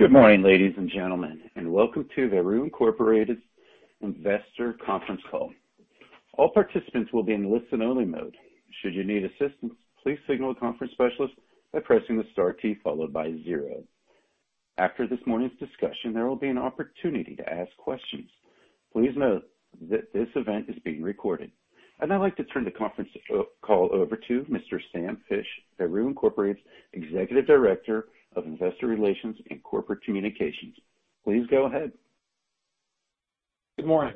Good morning, ladies and gentlemen, and welcome to Veru Incorporated Investor conference call. All participants will be in listen-only mode. Should you need assistance, please signal a conference specialist by pressing the star key followed by zero. After this morning's discussion, there will be an opportunity to ask questions. Please note that this event is being recorded. I'd now like to turn the conference call over to Mr. Sam Fisch, Veru Inc.'s Executive Director of Investor Relations and Corporate Communications. Please go ahead. Good morning.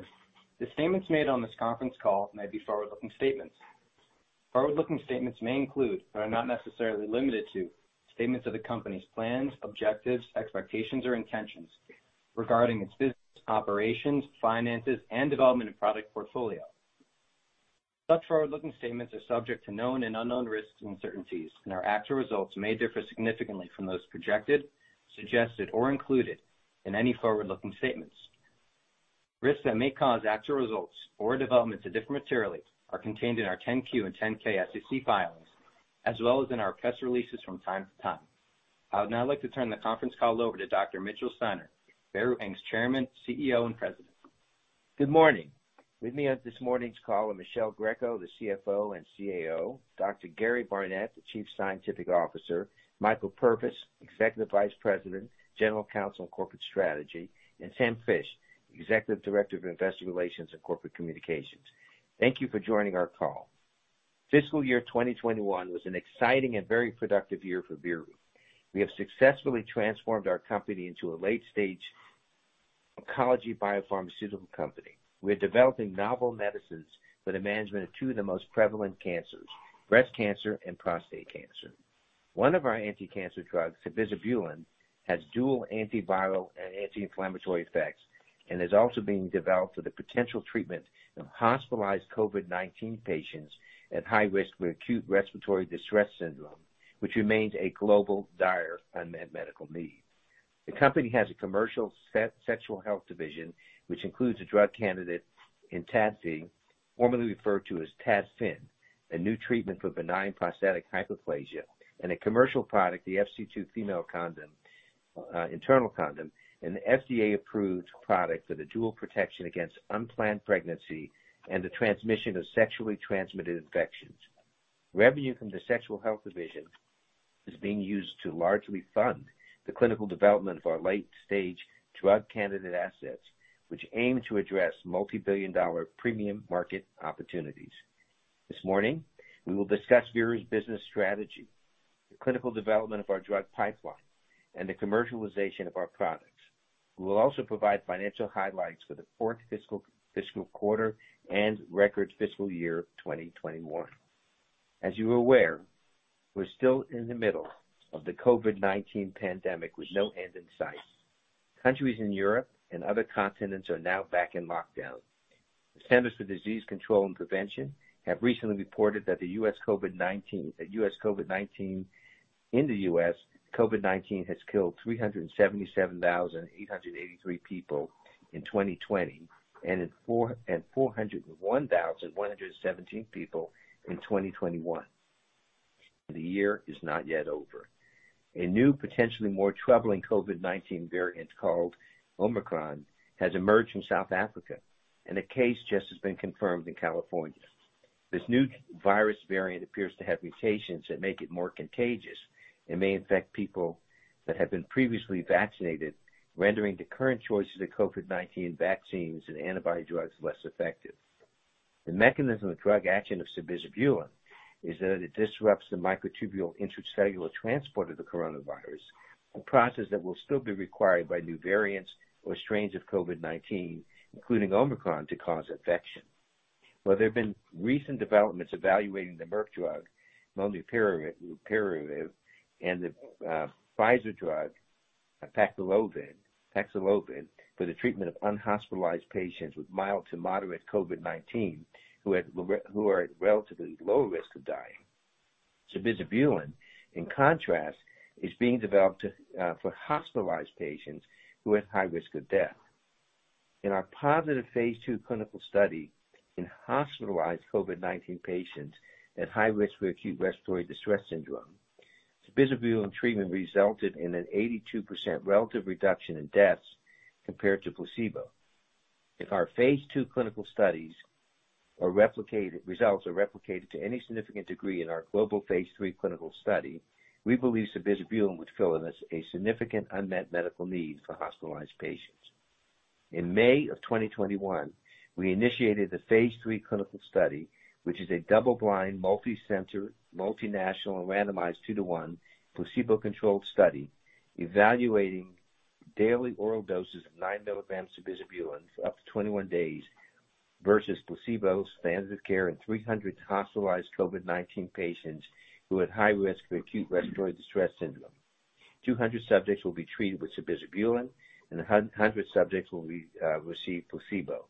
The statements made on this conference call may be forward-looking statements. Forward-looking statements may include, but are not necessarily limited to, statements of the company's plans, objectives, expectations, or intentions regarding its business operations, finances, and development of product portfolio. Such forward-looking statements are subject to known and unknown risks and uncertainties, and our actual results may differ significantly from those projected, suggested, or included in any forward-looking statements. Risks that may cause actual results or developments to differ materially are contained in our 10-Q and 10-K SEC filings, as well as in our press releases from time to time. I would now like to turn the conference call over to Dr. Mitchell Steiner, Veru Inc.'s Chairman, CEO, and President. Good morning. With me on this morning's call are Michele Greco, the CFO and CAO, Dr. Gary Barnett, the Chief Scientific Officer, Michael Purvis, Executive Vice President, General Counsel, and Corporate Strategy, and Sam Fisch, Executive Director of Investor Relations and Corporate Communications. Thank you for joining our call. Fiscal year 2021 was an exciting and very productive year for Veru. We have successfully transformed our company into a late stage oncology biopharmaceutical company. We are developing novel medicines for the management of two of the most prevalent cancers, breast cancer and prostate cancer. One of our anticancer drugs, sabizabulin, has dual antiviral and anti-inflammatory effects and is also being developed for the potential treatment of hospitalized COVID-19 patients at high risk for acute respiratory distress syndrome, which remains a global dire unmet medical need. The company has a commercial sexual health division, which includes a drug candidate ENTADFI, formerly referred to as TADFIN, a new treatment for benign prostatic hyperplasia, and a commercial product, the FC2 female condom, internal condom, and the FDA approved product for the dual protection against unplanned pregnancy and the transmission of sexually transmitted infections. Revenue from the sexual health division is being used to largely fund the clinical development of our late-stage drug candidate assets, which aim to address multibillion-dollar premium market opportunities. This morning, we will discuss Veru's business strategy, the clinical development of our drug pipeline, and the commercialization of our products. We will also provide financial highlights for the fourth fiscal quarter and record fiscal year 2021. As you are aware, we're still in the middle of the COVID-19 pandemic with no end in sight. Countries in Europe and other continents are now back in lockdown. The Centers for Disease Control and Prevention have recently reported that in the U.S. COVID-19 has killed 377,883 people in 2020 and 401,117 people in 2021. The year is not yet over. A new, potentially more troubling COVID-19 variant called Omicron has emerged from South Africa, and a case just has been confirmed in California. This new virus variant appears to have mutations that make it more contagious and may infect people that have been previously vaccinated, rendering the current choices of COVID-19 vaccines and antibody drugs less effective. The mechanism of drug action of sabizabulin is that it disrupts the microtubule intracellular transport of the coronavirus, a process that will still be required by new variants or strains of COVID-19, including Omicron, to cause infection. While there have been recent developments evaluating the Merck drug, molnupiravir, and the Pfizer drug, Paxlovid, for the treatment of unhospitalized patients with mild to moderate COVID-19 who are at relatively low risk of dying. Sabizabulin, in contrast, is being developed for hospitalized patients who are at high risk of death. In our positive phase II clinical study in hospitalized COVID-19 patients at high risk for acute respiratory distress syndrome, sabizabulin treatment resulted in an 82% relative reduction in deaths compared to placebo. If our phase II clinical studies' results are replicated to any significant degree in our global phase III clinical study, we believe sabizabulin would fill a significant unmet medical need for hospitalized patients. In May 2021, we initiated the phase III clinical study, which is a double-blind, multicenter, multinational, and randomized 2-to-1 placebo-controlled study evaluating daily oral doses of 9 mg sabizabulin for up to 21 days versus placebo standard of care in 300 hospitalized COVID-19 patients who had high risk for acute respiratory distress syndrome. 200 subjects will be treated with sabizabulin, and 100 subjects will receive placebo.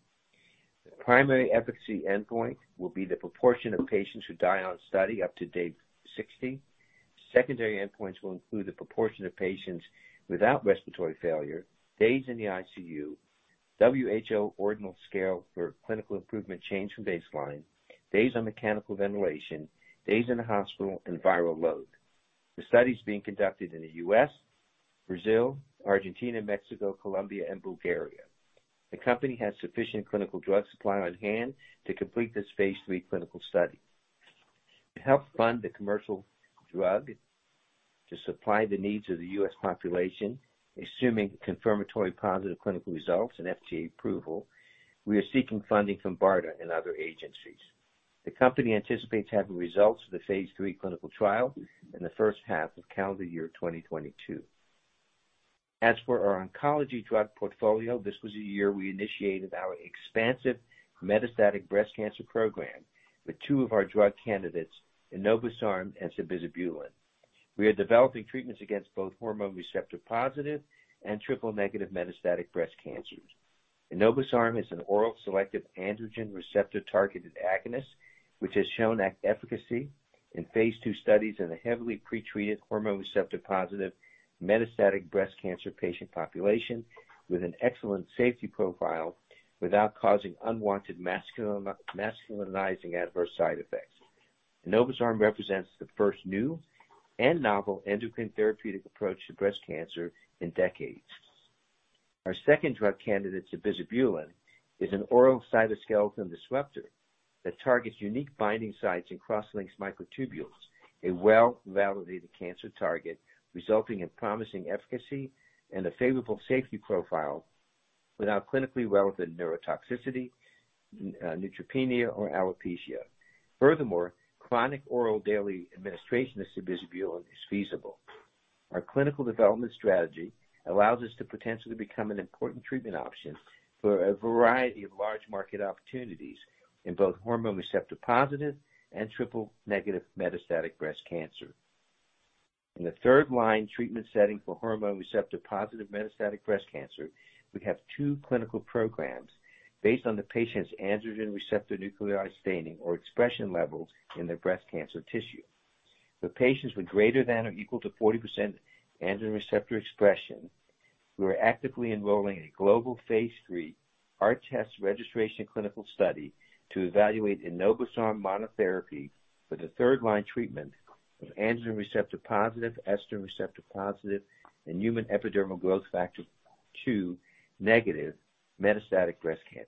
The primary efficacy endpoint will be the proportion of patients who die on study up to day 60. Secondary endpoints will include the proportion of patients without respiratory failure, days in the ICU, WHO Ordinal Scale for clinical improvement change from baseline, days on mechanical ventilation, days in the hospital, and viral load. The study is being conducted in the U.S., Brazil, Argentina, Mexico, Colombia, and Bulgaria. The company has sufficient clinical drug supply on hand to complete this phase III clinical study. To help fund the commercial drug to supply the needs of the U.S. population, assuming confirmatory positive clinical results and FDA approval, we are seeking funding from BARDA and other agencies. The company anticipates having results of the phase III clinical trial in the first half of calendar year 2022. As for our oncology drug portfolio, this was a year we initiated our expansive metastatic breast cancer program with two of our drug candidates, enobosarm and sabizabulin. We are developing treatments against both hormone receptor-positive and triple-negative metastatic breast cancers. Enobosarm is an oral selective androgen receptor-targeted agonist, which has shown efficacy in phase II studies in a heavily pretreated hormone receptor-positive metastatic breast cancer patient population with an excellent safety profile without causing unwanted masculinizing adverse side effects. Enobosarm represents the first new and novel endocrine therapeutic approach to breast cancer in decades. Our second drug candidate, sabizabulin, is an oral cytoskeleton disruptor that targets unique binding sites in cross-linked microtubules, a well-validated cancer target, resulting in promising efficacy and a favorable safety profile without clinically relevant neurotoxicity, neutropenia, or alopecia. Furthermore, chronic oral daily administration of sabizabulin is feasible. Our clinical development strategy allows us to potentially become an important treatment option for a variety of large market opportunities in both hormone receptor-positive and triple-negative metastatic breast cancer. In the third-line treatment setting for hormone receptor-positive metastatic breast cancer, we have two clinical programs based on the patient's androgen receptor nuclear staining or expression levels in their breast cancer tissue. For patients with greater than or equal to 40% androgen receptor expression, we are actively enrolling a global phase III ARTEST registration clinical study to evaluate enobosarm monotherapy for the third-line treatment of androgen receptor-positive, estrogen receptor-positive, and human epidermal growth factor two-negative metastatic breast cancer.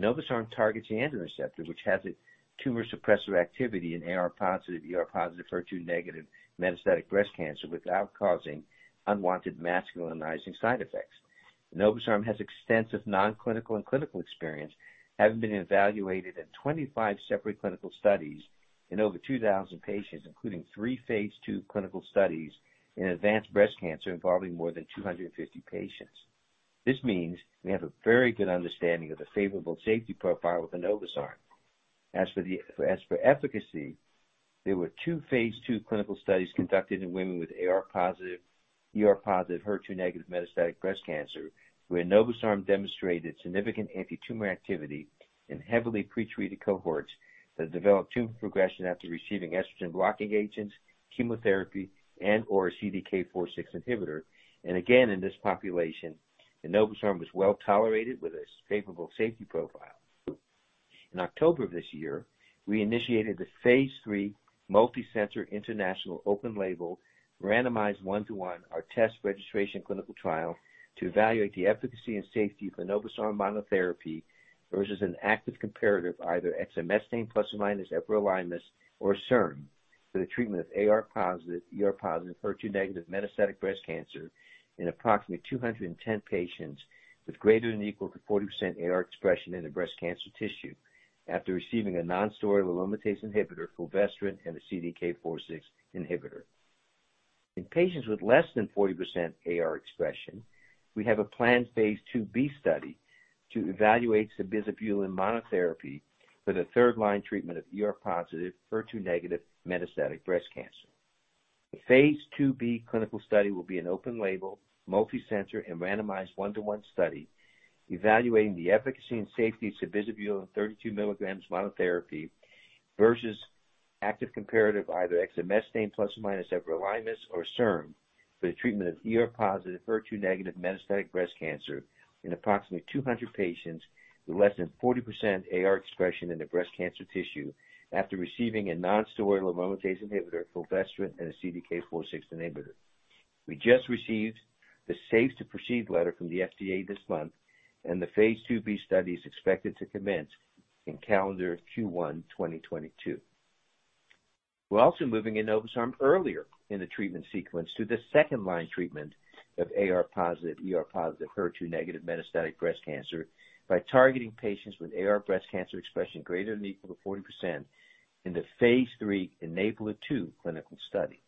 Enobosarm targets the androgen receptor, which has a tumor suppressor activity in AR-positive, ER-positive, HER2-negative metastatic breast cancer without causing unwanted masculinizing side effects. Enobosarm has extensive non-clinical and clinical experience, having been evaluated in 25 separate clinical studies in over 2,000 patients, including three phase II clinical studies in advanced breast cancer involving more than 250 patients. This means we have a very good understanding of the favorable safety profile with enobosarm. As for efficacy, there were two phase II clinical studies conducted in women with AR-positive, ER-positive, HER2-negative metastatic breast cancer, where enobosarm demonstrated significant antitumor activity in heavily pretreated cohorts that developed tumor progression after receiving estrogen-blocking agents, chemotherapy, and/or CDK4/6 inhibitor. Again, in this population, enobosarm was well-tolerated with a favorable safety profile. In October of this year, we initiated the phase III multicenter international open-label randomized 1:1 ARTEST registration clinical trial to evaluate the efficacy and safety of enobosarm monotherapy versus an active comparator, either exemestane plus or minus everolimus or a SERM, for the treatment of AR-positive, ER-positive, HER2-negative metastatic breast cancer in approximately 210 patients with ≥40% AR expression in their breast cancer tissue after receiving a nonsteroidal aromatase inhibitor, fulvestrant, and a CDK4/6 inhibitor. In patients with <40% AR expression, we have a planned phase II-B study to evaluate sabizabulin monotherapy for the third-line treatment of ER-positive, HER2-negative metastatic breast cancer. The phase II-B clinical study will be an open-label, multicenter, and randomized 1:1 study evaluating the efficacy and safety of sabizabulin 32 mg monotherapy versus active comparator, either exemestane plus or minus everolimus or a SERM, for the treatment of ER-positive, HER2-negative metastatic breast cancer in approximately 200 patients with less than 40% AR expression in their breast cancer tissue after receiving a nonsteroidal aromatase inhibitor, fulvestrant, and a CDK4/6 inhibitor. We just received the Safe to Proceed letter from the FDA this month, and the phase II-B study is expected to commence in calendar Q1 2022. We're also moving enobosarm earlier in the treatment sequence to the second-line treatment of AR-positive, ER-positive, HER2-negative metastatic breast cancer by targeting patients with AR breast cancer expression greater than or equal to 40% in the phase III ENABLAR-2 clinical study.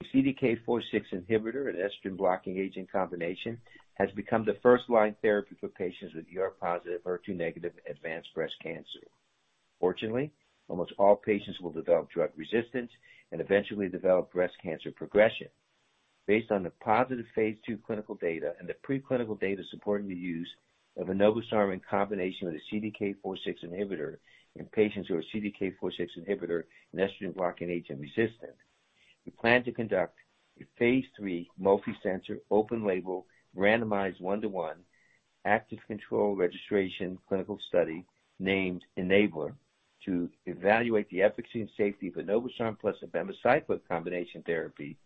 The CDK4/6 inhibitor and estrogen blocking agent combination has become the first-line therapy for patients with ER-positive, HER2-negative advanced breast cancer. Unfortunately, almost all patients will develop drug resistance and eventually develop breast cancer progression. Based on the positive phase II clinical data and the preclinical data supporting the use of enobosarm in combination with a CDK4/6 inhibitor in patients who are CDK4/6 inhibitor and estrogen blocking agent resistant. We plan to conduct a phase III multi-center open-label randomized one-to-one active control registration clinical study named ENABLAR to evaluate the efficacy and safety of enobosarm plus abemaciclib combination therapy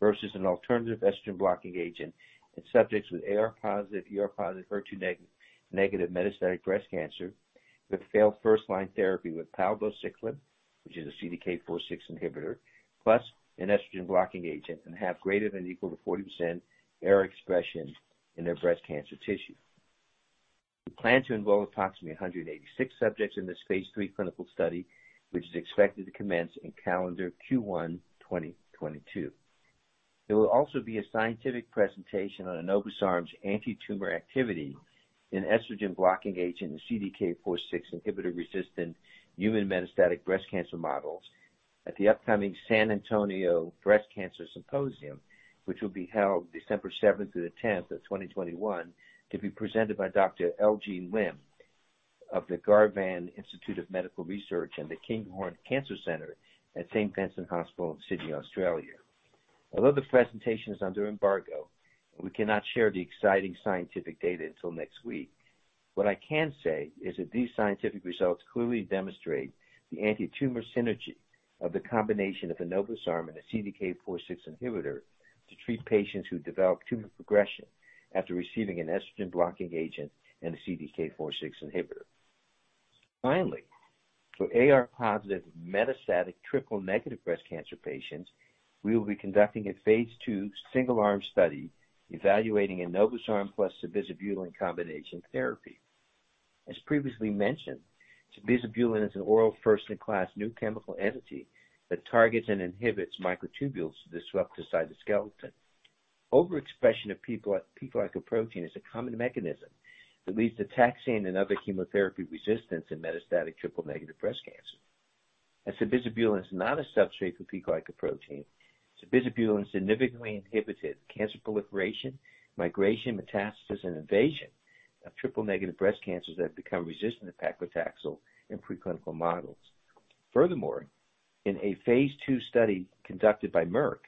versus an alternative estrogen blocking agent in subjects with AR-positive, ER-positive, HER2-negative metastatic breast cancer with failed first-line therapy with palbociclib, which is a CDK4/6 inhibitor, plus an estrogen blocking agent and have greater than or equal to 40% AR expression in their breast cancer tissue. We plan to involve approximately 186 subjects in this phase III clinical study, which is expected to commence in calendar Q1 2022. There will also be a scientific presentation on enobosarm's anti-tumor activity in estrogen-blocking agent and CDK4/6 inhibitor-resistant human metastatic breast cancer models at the upcoming San Antonio Breast Cancer Symposium, which will be held December 7th through 10th, 2021, to be presented by Dr. Elgene Lim of the Garvan Institute of Medical Research and the Kinghorn Cancer Centre at St Vincent's Hospital in Sydney, Australia. Although the presentation is under embargo, and we cannot share the exciting scientific data until next week, what I can say is that these scientific results clearly demonstrate the anti-tumor synergy of the combination of enobosarm and a CDK4/6 inhibitor to treat patients who develop tumor progression after receiving an estrogen blocking agent and a CDK4/6 inhibitor. Finally, for AR-positive metastatic triple-negative breast cancer patients, we will be conducting a phase II single-arm study evaluating enobosarm plus sabizabulin combination therapy. As previously mentioned, sabizabulin is an oral first-in-class new chemical entity that targets and inhibits microtubules to disrupt the cytoskeleton. Overexpression of P-glycoprotein is a common mechanism that leads to taxane and other chemotherapy resistance in metastatic triple-negative breast cancer. As sabizabulin is not a substrate for P-glycooprotein, sabizabulin significantly inhibited cancer proliferation, migration, metastasis, and invasion of triple-negative breast cancers that have become resistant to paclitaxel in preclinical models. Furthermore, in a phase II study conducted by Merck,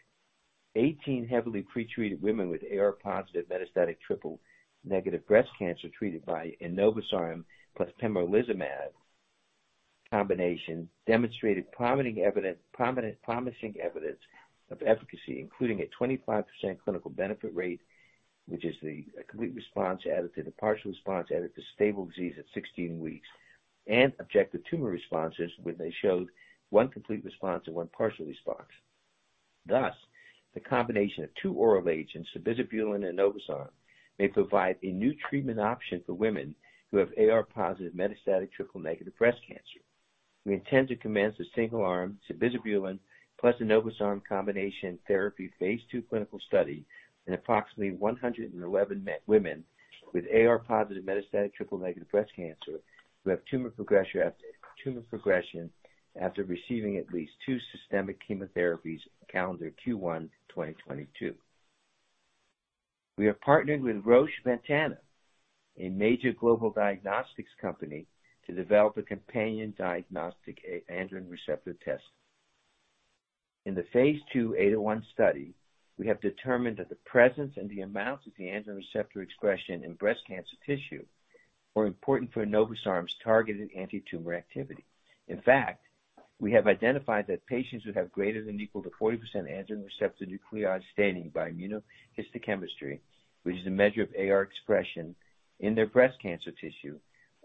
18 heavily pretreated women with AR-positive metastatic triple-negative breast cancer treated by enobosarm plus pembrolizumab combination demonstrated promising evidence of efficacy, including a 25% clinical benefit rate, which is the complete response added to the partial response, added to stable disease at 16 weeks, and objective tumor responses when they showed one complete response and one partial response. Thus, the combination of two oral agents, sabizabulin and enobosarm, may provide a new treatment option for women who have AR-positive metastatic triple-negative breast cancer. We intend to commence a single-arm abemaciclib plus enobosarm combination therapy phase II clinical study in approximately 111 women with AR-positive metastatic triple negative breast cancer who have tumor progression after receiving at least two systemic chemotherapies calendar Q1 2022. We are partnered with Roche Ventana, a major global diagnostics company, to develop a companion diagnostic androgen receptor test. In the phase II 81 study, we have determined that the presence and the amounts of the androgen receptor expression in breast cancer tissue were important for enobosarm's targeted anti-tumor activity. In fact, we have identified that patients who have greater than or equal to 40% androgen receptor nuclear staining by immunohistochemistry, which is a measure of AR expression in their breast cancer tissue,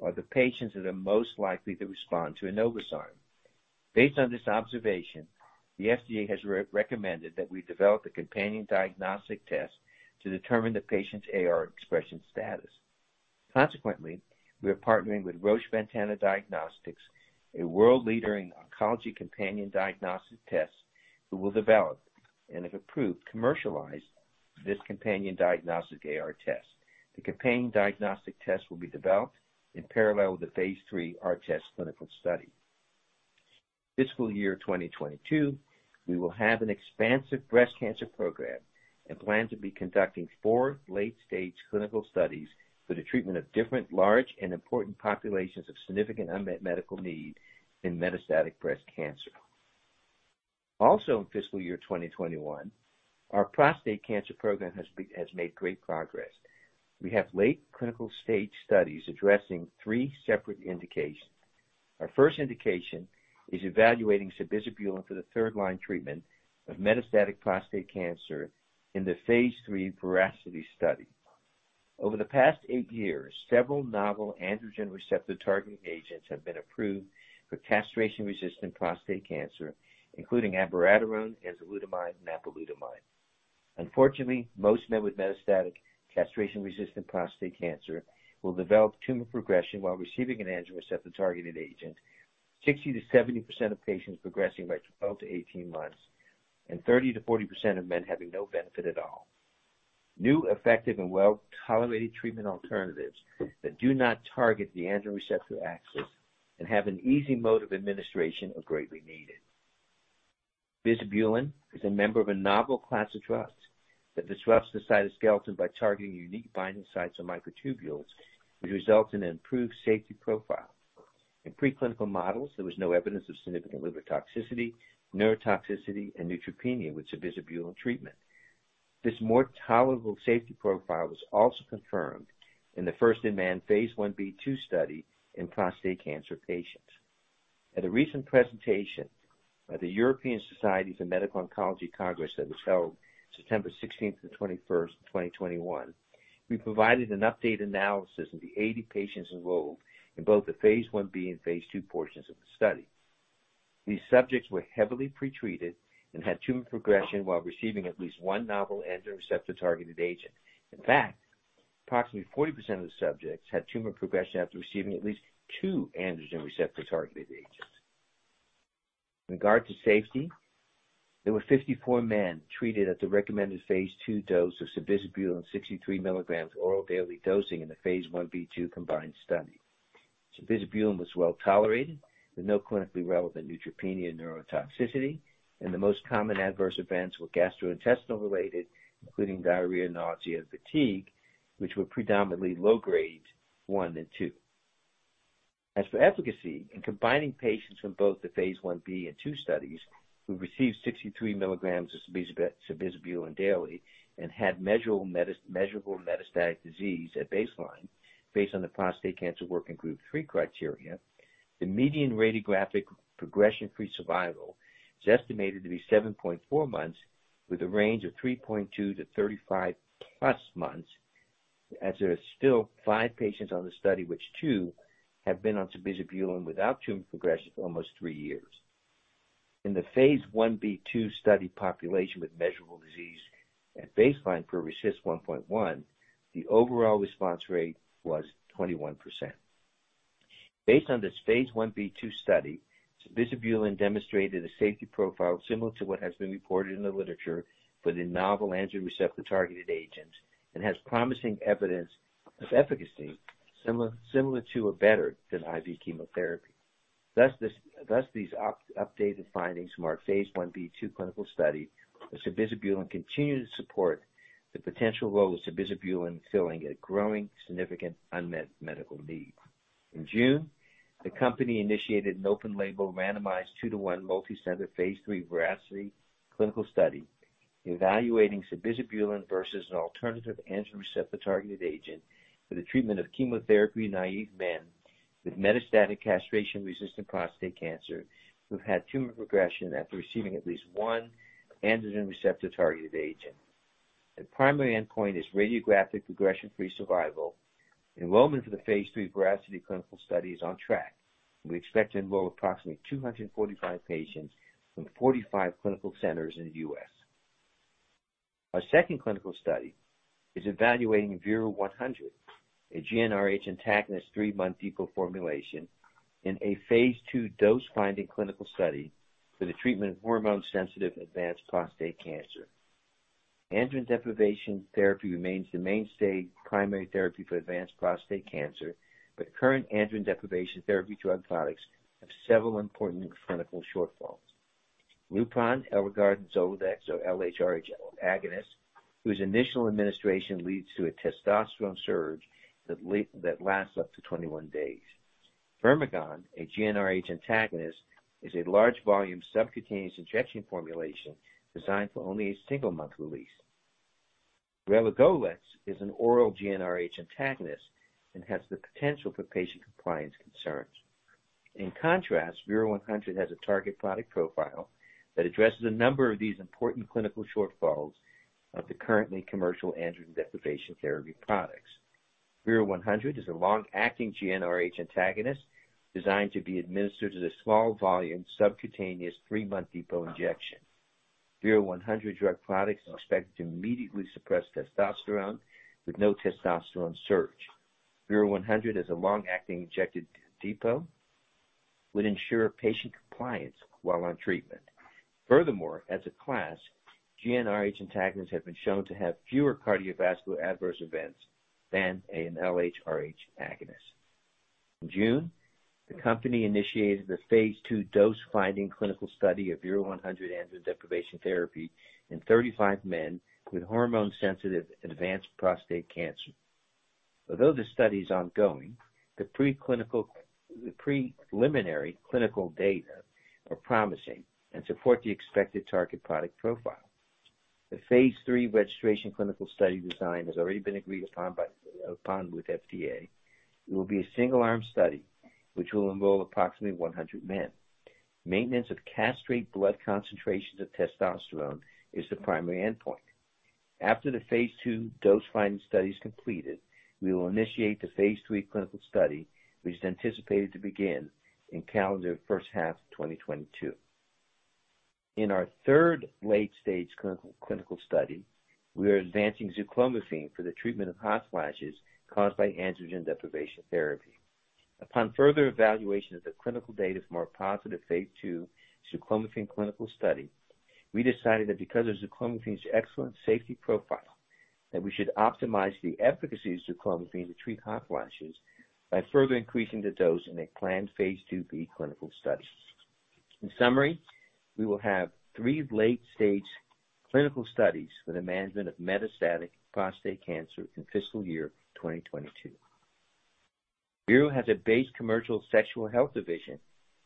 are the patients that are most likely to respond to enobosarm. Based on this observation, the FDA has re-recommended that we develop a companion diagnostic test to determine the patient's AR expression status. Consequently, we are partnering with Roche Ventana Diagnostics, a world leader in oncology companion diagnostic tests, who will develop, and if approved, commercialize this companion diagnostic AR test. The companion diagnostic test will be developed in parallel with the phase III ARTEST clinical study. Fiscal year 2022, we will have an expansive breast cancer program and plan to be conducting four late-stage clinical studies for the treatment of different large and important populations of significant unmet medical need in metastatic breast cancer. Also in fiscal year 2021, our prostate cancer program has made great progress. We have late clinical stage studies addressing three separate indications. Our first indication is evaluating sabizabulin for the third0line treatment of metastatic prostate cancer in the phase III VERACITY study. Over the past eight years, several novel androgen receptor targeting agents have been approved for castration-resistant prostate cancer, including abiraterone, enzalutamide, and apalutamide. Unfortunately, most men with metastatic castration-resistant prostate cancer will develop tumor progression while receiving an androgen receptor-targeted agent. 60%-70% of patients progressing by 12-18 months and 30%-40% of men having no benefit at all. New, effective and well-tolerated treatment alternatives that do not target the androgen receptor axis and have an easy mode of administration are greatly needed. Sabizabulin is a member of a novel class of drugs that disrupts the cytoskeleton by targeting unique binding sites of microtubules, which results in an improved safety profile. In preclinical models, there was no evidence of significant liver toxicity, neurotoxicity, and neutropenia with sabizabulin treatment. This more tolerable safety profile was also confirmed in the first-in-man phase I-B/II study in prostate cancer patients. At a recent presentation by the European Society of Medical Oncology congress that was held September 16 to 21, 2021, we provided an updated analysis of the 80 patients enrolled in both the phase I-B and phase II portions of the study. These subjects were heavily pretreated and had tumor progression while receiving at least one novel androgen receptor targeted agent. In fact, approximately 40% of the subjects had tumor progression after receiving at least two androgen receptor targeted agents. In regard to safety, there were 54 men treated at the recommended phase II dose of sabizabulin 63 mg oral daily dosing in the phase I-B/II combined study. Sabizabulin was well tolerated with no clinically relevant neutropenia, neurotoxicity, and the most common adverse events were gastrointestinal related, including diarrhea, nausea, and fatigue, which were predominantly low grade 1 and 2. As for efficacy, in combining patients from both the phase I-B and II studies who received 63 mg of sabizabulin daily and had measurable metastatic disease at baseline based on the Prostate Cancer Working Group 3 criteria, the median radiographic progression-free survival is estimated to be 7.4 months with a range of 3.2-35+ months as there are still five patients on the study, which two have been on sabizabulin without tumor progression for almost three years. In the phase I-B/II study population with measurable disease at baseline per RECIST 1.1, the overall response rate was 21%. Based on this phase I-B/II study, sabizabulin demonstrated a safety profile similar to what has been reported in the literature for the novel androgen receptor targeted agent and has promising evidence of efficacy similar to or better than IV chemotherapy. These updated findings from our phase I-B/II clinical study of sabizabulin continue to support the potential role of sabizabulin filling a growing significant unmet medical need. In June, the company initiated an open-label randomized 2-to-1 multicenter phase III VERACITY clinical study evaluating sabizabulin versus an alternative androgen receptor targeted agent for the treatment of chemotherapy-naive men with metastatic castration-resistant prostate cancer who've had tumor progression after receiving at least one androgen receptor targeted agent. The primary endpoint is radiographic progression-free survival. Enrollment for the phase III VERACITY clinical study is on track, and we expect to enroll approximately 245 patients from 45 clinical centers in the U.S. Our second clinical study is evaluating VERU-100, a GnRH antagonist three-month depot formulation in a phase II dose-finding clinical study for the treatment of hormone-sensitive advanced prostate cancer. Androgen deprivation therapy remains the mainstay primary therapy for advanced prostate cancer, but current androgen deprivation therapy drug products have several important clinical shortfalls. Lupron, Eligard, Zoladex, or LHRH agonists, whose initial administration leads to a testosterone surge that lasts up to 21 days. Firmagon, a GnRH antagonist, is a large volume subcutaneous injection formulation designed for only a single month release. Relugolix is an oral GnRH antagonist and has the potential for patient compliance concerns. In contrast, VERU-100 has a target product profile that addresses a number of these important clinical shortfalls of the currently commercial androgen deprivation therapy products. VERU-100 is a long-acting GnRH antagonist designed to be administered as a small volume subcutaneous three-month depot injection. VERU-100 drug product is expected to immediately suppress testosterone with no testosterone surge. VERU-100 as a long-acting injected depot would ensure patient compliance while on treatment. Furthermore, as a class, GnRH antagonists have been shown to have fewer cardiovascular adverse events than an LHRH agonist. In June, the company initiated the phase II dose-finding clinical study of VERU-100 androgen deprivation therapy in 35 men with hormone-sensitive advanced prostate cancer. Although the study is ongoing, the preliminary clinical data are promising and support the expected target product profile. The phase III registration clinical study design has already been agreed upon with FDA. It will be a single-arm study which will enroll approximately 100 men. Maintenance of castrate blood concentrations of testosterone is the primary endpoint. After the phase II dose-finding study is completed, we will initiate the phase III clinical study, which is anticipated to begin in calendar first half 2022. In our third late-stage clinical study, we are advancing zuclomiphene for the treatment of hot flashes caused by androgen deprivation therapy. Upon further evaluation of the clinical data from our positive phase II zuclomiphene clinical study, we decided that because of zuclomiphene's excellent safety profile, that we should optimize the efficacy of zuclomiphene to treat hot flashes by further increasing the dose in a planned phase II-B clinical study. In summary, we will have three late stage clinical studies for the management of metastatic prostate cancer in fiscal year 2022. Veru has a base commercial sexual health division,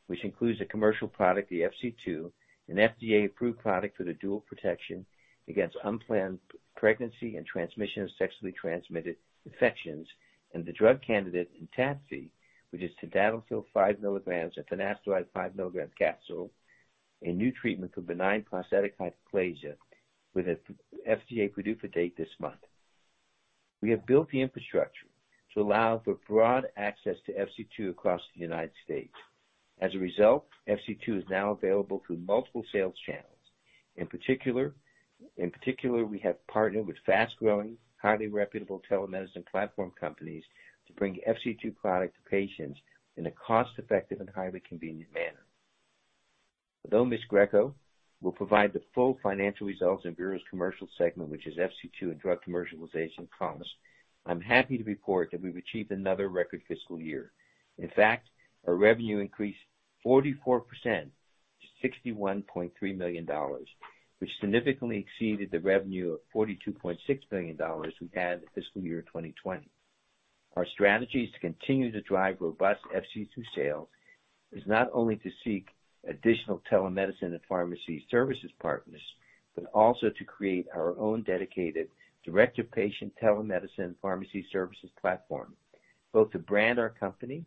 which includes a commercial product, the FC2, an FDA-approved product for the dual protection against unplanned pregnancy and transmission of sexually transmitted infections, and the drug candidate, ENTADFI, which is tadalafil 5 mg and finasteride 5 mg capsule, a new treatment for benign prostatic hyperplasia with a FDA PDUFA date this month. We have built the infrastructure to allow for broad access to FC2 across the United States. As a result, FC2 is now available through multiple sales channels. In particular, we have partnered with fast-growing, highly reputable telemedicine platform companies to bring FC2 product to patients in a cost-effective and highly convenient manner. Although Ms. Greco will provide the full financial results in Veru's commercial segment, which is FC2 and drug commercialization costs, I'm happy to report that we've achieved another record fiscal year. In fact, our revenue increased 44% to $61.3 million, which significantly exceeded the revenue of $42.6 million we had in fiscal year 2020. Our strategy is to continue to drive robust FC2 sales, not only to seek additional telemedicine and pharmacy services partners, but also to create our own dedicated direct-to-patient telemedicine pharmacy services platform, both to brand our company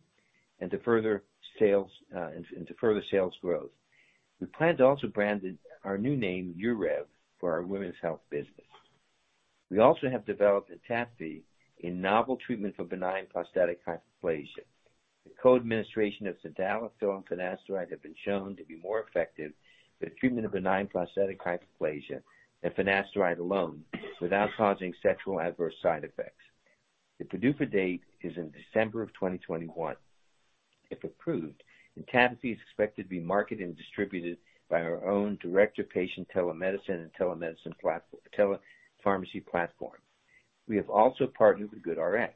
and to further sales and to further sales growth. We plan to also brand it our new name, Urev, for our women's health business. We also have developed ENTADFI, a novel treatment for benign prostatic hyperplasia. The co-administration of tadalafil and finasteride have been shown to be more effective for the treatment of benign prostatic hyperplasia than finasteride alone without causing sexual adverse side effects. The PDUFA date is in December 2021. If approved, ENTADFI is expected to be marketed and distributed by our own direct-to-patient telemedicine and telepharmacy platform. We have also partnered with GoodRx,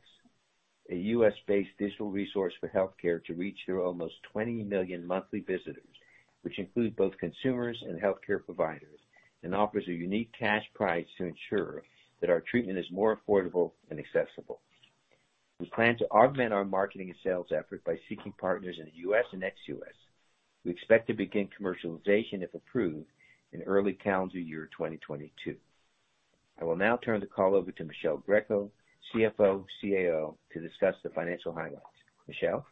a U.S.-based digital resource for healthcare to reach their almost 20 million monthly visitors, which include both consumers and healthcare providers, and offers a unique cash price to ensure that our treatment is more affordable and accessible. We plan to augment our marketing and sales effort by seeking partners in the U.S. and ex-U.S. We expect to begin commercialization, if approved, in early calendar year 2022. I will now turn the call over to Michele Greco, CFO, CAO, to discuss the financial highlights. Michele?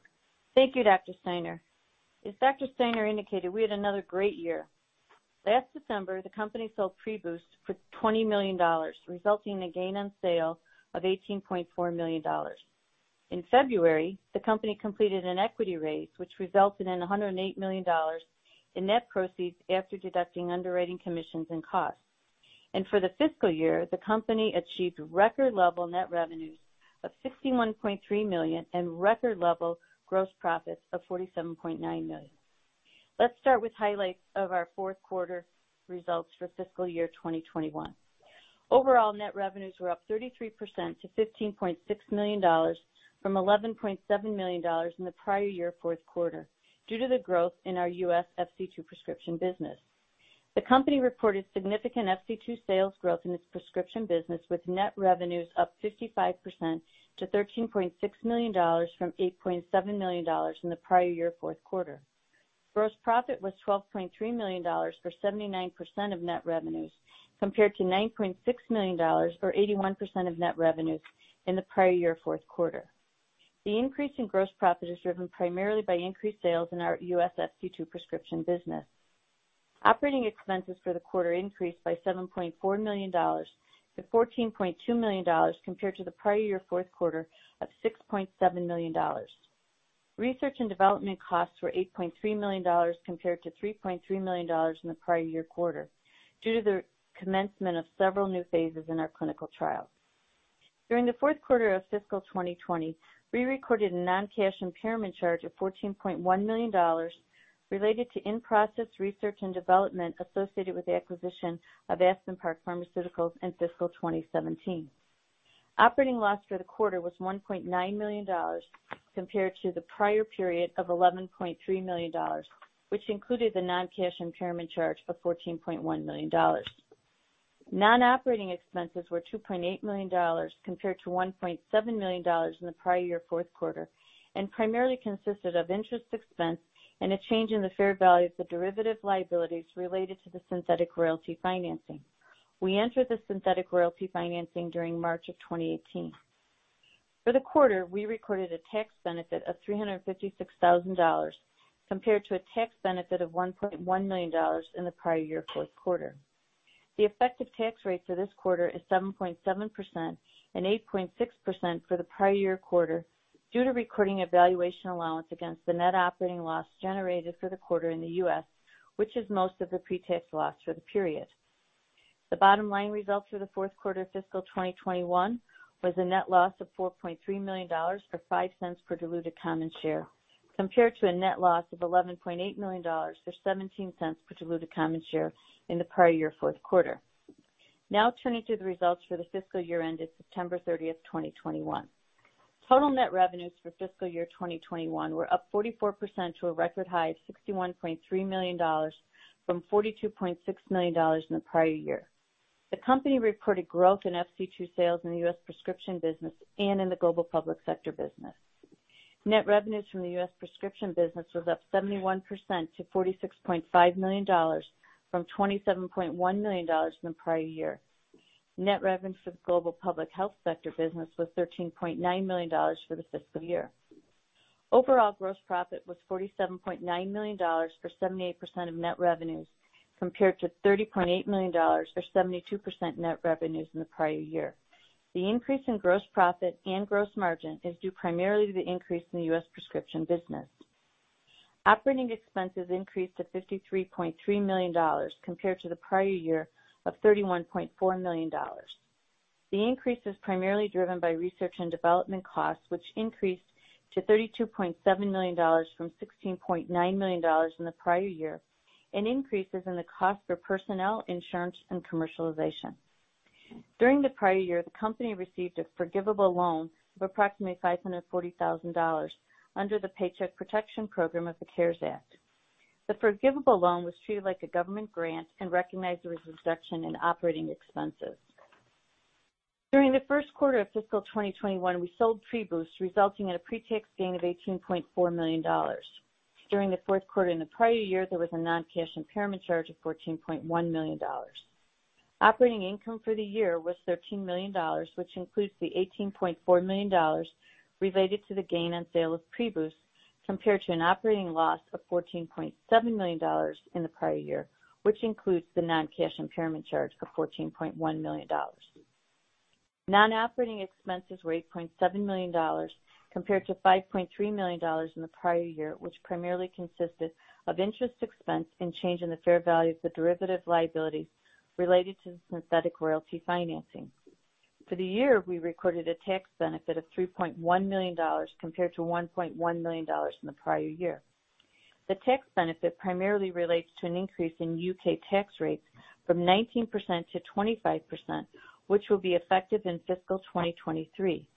Thank you, Dr. Steiner. As Dr. Steiner indicated, we had another great year. Last December, the company sold PREBOOST for $20 million, resulting in a gain on sale of $18.4 million. In February, the company completed an equity raise, which resulted in $108 million in net proceeds after deducting underwriting commissions and costs. For the fiscal year, the company achieved record-level net revenues of $61.3 million and record-level gross profits of $47.9 million. Let's start with highlights of our fourth quarter results for fiscal year 2021. Overall net revenues were up 33% to $15.6 million from $11.7 million in the prior year fourth quarter due to the growth in our U.S. FC2 prescription business. The company reported significant FC2 sales growth in its prescription business with net revenues up 55% to $13.6 million from $8.7 million in the prior year fourth quarter. Gross profit was $12.3 million for 79% of net revenues, compared to $9.6 million or 81% of net revenues in the prior year fourth quarter. The increase in gross profit is driven primarily by increased sales in our U.S. FC2 prescription business. Operating expenses for the quarter increased by $7.4 million to $14.2 million compared to the prior year fourth quarter of $6.7 million. Research and development costs were $8.3 million compared to $3.3 million in the prior year quarter due to the commencement of several new phases in our clinical trials. During the fourth quarter of fiscal 2020, we recorded a non-cash impairment charge of $14.1 million related to in-process research and development associated with the acquisition of Aspen Park Pharmaceuticals in fiscal 2017. Operating loss for the quarter was $1.9 million compared to the prior period of $11.3 million, which included the non-cash impairment charge of $14.1 million. Non-operating expenses were $2.8 million compared to $1.7 million in the prior year fourth quarter, and primarily consisted of interest expense and a change in the fair value of the derivative liabilities related to the synthetic royalty financing. We entered the synthetic royalty financing during March of 2018. For the quarter, we recorded a tax benefit of $356,000 compared to a tax benefit of $1.1 million in the prior year fourth quarter. The effective tax rate for this quarter is 7.7% and 8.6% for the prior year quarter due to recording a valuation allowance against the net operating loss generated for the quarter in the U.S., which is most of the pre-tax loss for the period. The bottom line results for the fourth quarter fiscal 2021 was a net loss of $4.3 million, or $0.05 per diluted common share, compared to a net loss of $11.8 million or $0.17 per diluted common share in the prior year fourth quarter. Now turning to the results for the fiscal year ended September 30th, 2021. Total net revenues for fiscal year 2021 were up 44% to a record high of $61.3 million from $42.6 million in the prior year. The company reported growth in FC2 sales in the U.S. prescription business and in the global public sector business. Net revenues from the U.S. prescription business was up 71% to $46.5 million from $27.1 million in the prior year. Net revenues for the global public health sector business was $13.9 million for the fiscal year. Overall, gross profit was $47.9 million for 78% of net revenues, compared to $30.8 million or 72% net revenues in the prior year. The increase in gross profit and gross margin is due primarily to the increase in the U.S. prescription business. Operating expenses increased to $53.3 million compared to the prior year of $31.4 million. The increase is primarily driven by research and development costs, which increased to $32.7 million from $16.9 million in the prior year, and increases in the cost of personnel insurance and commercialization. During the prior year, the company received a forgivable loan of approximately $540,000 under the Paycheck Protection Program of the CARES Act. The forgivable loan was treated like a government grant and recognized there was a reduction in operating expenses. During the first quarter of fiscal 2021, we sold PREBOOST, resulting in a pre-tax gain of $18.4 million. During the fourth quarter in the prior year, there was a non-cash impairment charge of $14.1 million. Operating income for the year was $13 million, which includes the $18.4 million related to the gain on sale of PREBOOST, compared to an operating loss of $14.7 million in the prior year, which includes the non-cash impairment charge of $14.1 million. Non-operating expenses were $8.7 million compared to $5.3 million in the prior year, which primarily consisted of interest expense and change in the fair value of the derivative liabilities related to synthetic royalty financing. For the year, we recorded a tax benefit of $3.1 million compared to $1.1 million in the prior year. The tax benefit primarily relates to an increase in U.K. tax rates from 19% to 25%, which will be effective in fiscal 2023.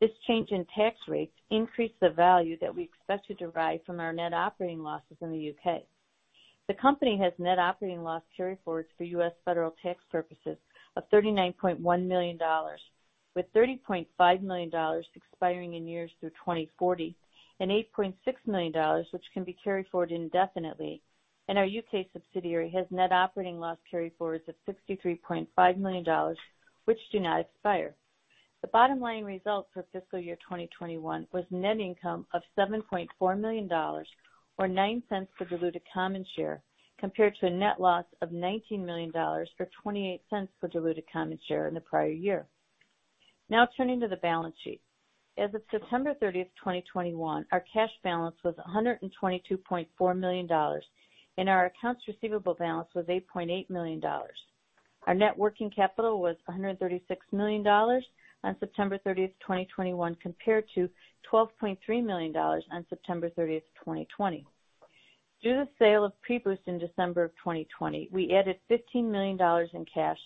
This change in tax rates increased the value that we expect to derive from our net operating losses in the U.K. The company has net operating loss carryforwards for U.S. federal tax purposes of $39.1 million, with $30.5 million expiring in years through 2040 and $8.6 million, which can be carried forward indefinitely. Our U.K. subsidiary has net operating loss carryforwards of $63.5 million, which do not expire. The bottom line results for fiscal year 2021 was net income of $7.4 million or $0.09 per diluted common share, compared to a net loss of $19 million for $0.28 per diluted common share in the prior year. Now turning to the balance sheet. As of September 30, 2021, our cash balance was $122.4 million, and our accounts receivable balance was $8.8 million. Our net working capital was $136 million on September 30th, 2021, compared to $12.3 million on September 30th, 2020. Due to the sale of PREBOOST in December 2020, we added $15 million in cash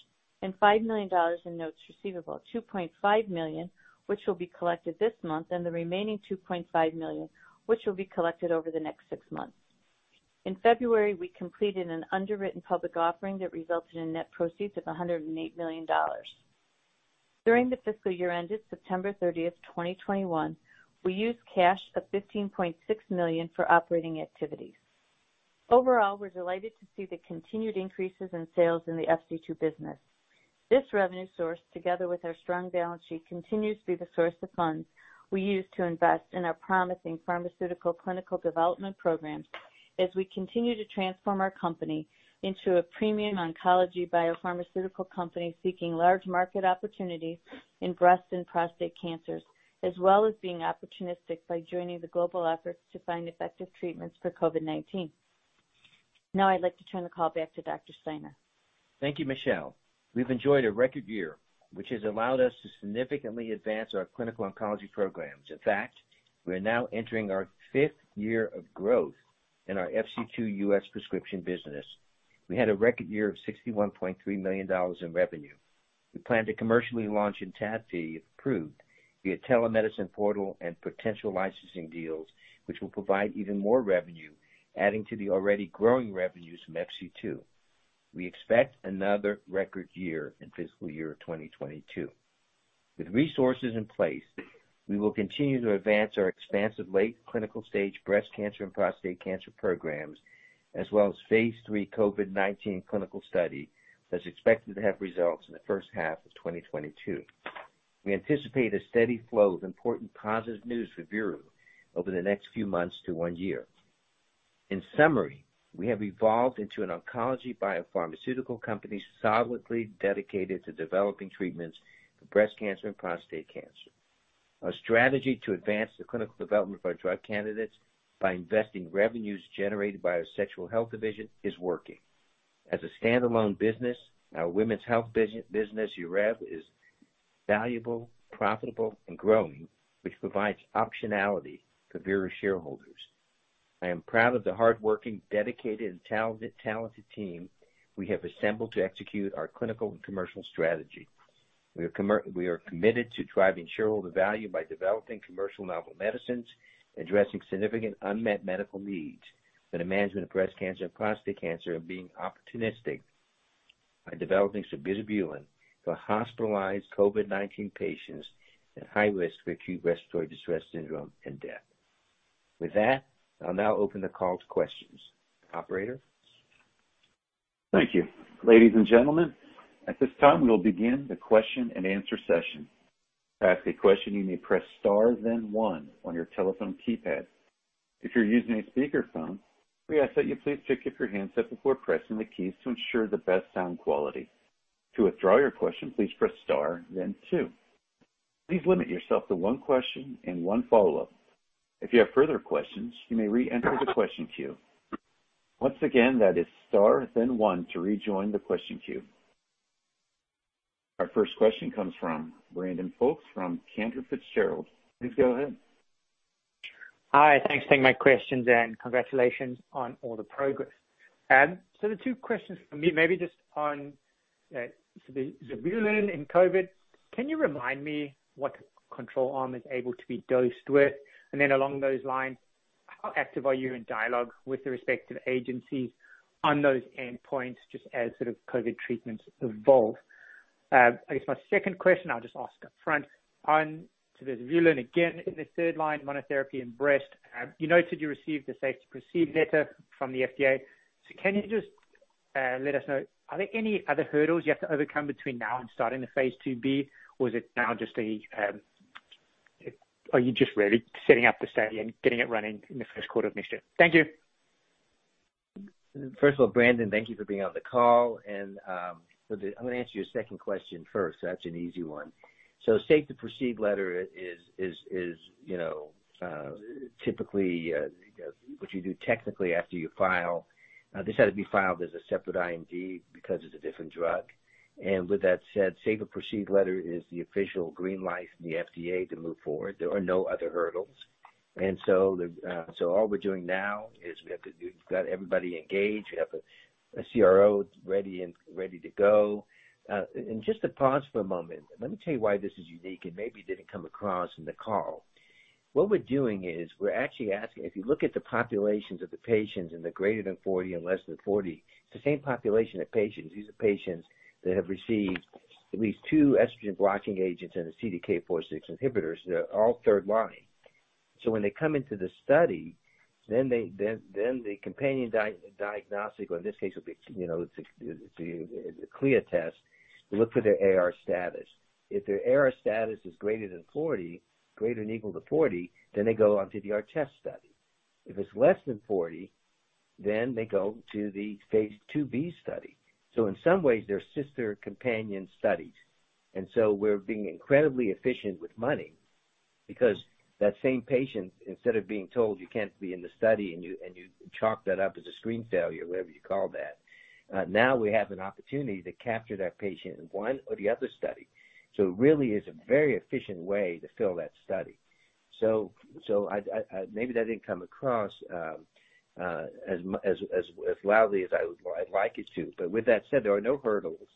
and $5 million in notes receivable, $2.5 million, which will be collected this month, and the remaining $2.5 million, which will be collected over the next six months. In February, we completed an underwritten public offering that resulted in net proceeds of $108 million. During the fiscal year ended September 30th, 2021, we used cash of $15.6 million for operating activities. Overall, we're delighted to see the continued increases in sales in the FC2 business. This revenue source, together with our strong balance sheet, continues to be the source of funds we use to invest in our promising pharmaceutical clinical development programs as we continue to transform our company into a premium oncology biopharmaceutical company seeking large market opportunities in breast and prostate cancers, as well as being opportunistic by joining the global efforts to find effective treatments for COVID-19. Now, I'd like to turn the call back to Dr. Steiner. Thank you, Michele. We've enjoyed a record year, which has allowed us to significantly advance our clinical oncology programs. In fact, we are now entering our fifth year of growth in our FC2 U.S. prescription business. We had a record year of $61.3 million in revenue. We plan to commercially launch TADFIN if approved via telemedicine portal and potential licensing deals, which will provide even more revenue, adding to the already growing revenues from FC2. We expect another record year in fiscal year 2022. With resources in place, we will continue to advance our expansive late clinical stage breast cancer and prostate cancer programs, as well as phase III COVID-19 clinical study that's expected to have results in the first half of 2022. We anticipate a steady flow of important positive news for Veru over the next few months to one year. In summary, we have evolved into an oncology biopharmaceutical company solidly dedicated to developing treatments for breast cancer and prostate cancer. Our strategy to advance the clinical development of our drug candidates by investing revenues generated by our sexual health division is working. As a standalone business, our women's health business, Urev, is valuable, profitable and growing, which provides optionality to Veru shareholders. I am proud of the hardworking, dedicated, and talented team we have assembled to execute our clinical and commercial strategy. We are committed to driving shareholder value by developing commercial novel medicines, addressing significant unmet medical needs for the management of breast cancer, prostate cancer, and being opportunistic by developing sabizabulin for hospitalized COVID-19 patients at high risk for acute respiratory distress syndrome and death. With that, I'll now open the call to questions. Operator? Thank you. Ladies and gentlemen, at this time, we will begin the question-and-answer session. To ask a question, you may press star then one on your telephone keypad. If you're using a speakerphone, we ask that you please pick up your handset before pressing the keys to ensure the best sound quality. To withdraw your question, please press star then two. Please limit yourself to one question and one follow-up. If you have further questions, you may re-enter the question queue. Once again, that is star then one to rejoin the question queue. Our first question comes from Brandon Folkes from Cantor Fitzgerald. Please go ahead. Hi. Thanks for taking my questions, and congratulations on all the progress. The two questions from me, maybe just on sabizabulin and COVID. Can you remind me what the control arm is able to be dosed with? Along those lines, how active are you in dialogue with the respective agencies on those endpoints just as sort of COVID treatments evolve? I guess my second question I'll just ask up front on sabizabulin again in the third-line monotherapy and breast. You noted you received a safe-to-proceed letter from the FDA. Can you just let us know, are there any other hurdles you have to overcome between now and starting the phase II-B? Is it now just are you just really setting up the study and getting it running in the first quarter of next year? Thank you. First of all, Brandon, thank you for being on the call. I'm gonna answer your second question first. That's an easy one. Safe to proceed letter is, you know, typically what you do technically after you file. Now, this had to be filed as a separate IND because it's a different drug. With that said, safe to proceed letter is the official green light from the FDA to move forward. There are no other hurdles. All we're doing now is we've got everybody engaged. We have a CRO ready to go. Just to pause for a moment, let me tell you why this is unique and maybe didn't come across in the call. What we're doing is we're actually asking, if you look at the populations of the patients in the greater than 40 and less than 40, it's the same population of patients. These are patients that have received at least two estrogen-blocking agents and the CDK4/6 inhibitors. They're all third line. When they come into the study, then the companion diagnostic, or in this case it'll be, you know, the CLIA test, look for their AR status. If their AR status is greater than 40, greater than or equal to 40, then they go on to the ARTEST study. If it's less than 40, then they go to the phase II-B study. In some ways, they're sister companion studies. We're being incredibly efficient with money because that same patient, instead of being told you can't be in the study, and you chalk that up as a screen failure, whatever you call that, now we have an opportunity to capture that patient in one or the other study. It really is a very efficient way to fill that study. I maybe that didn't come across as loudly as I'd like it to. With that said, there are no hurdles.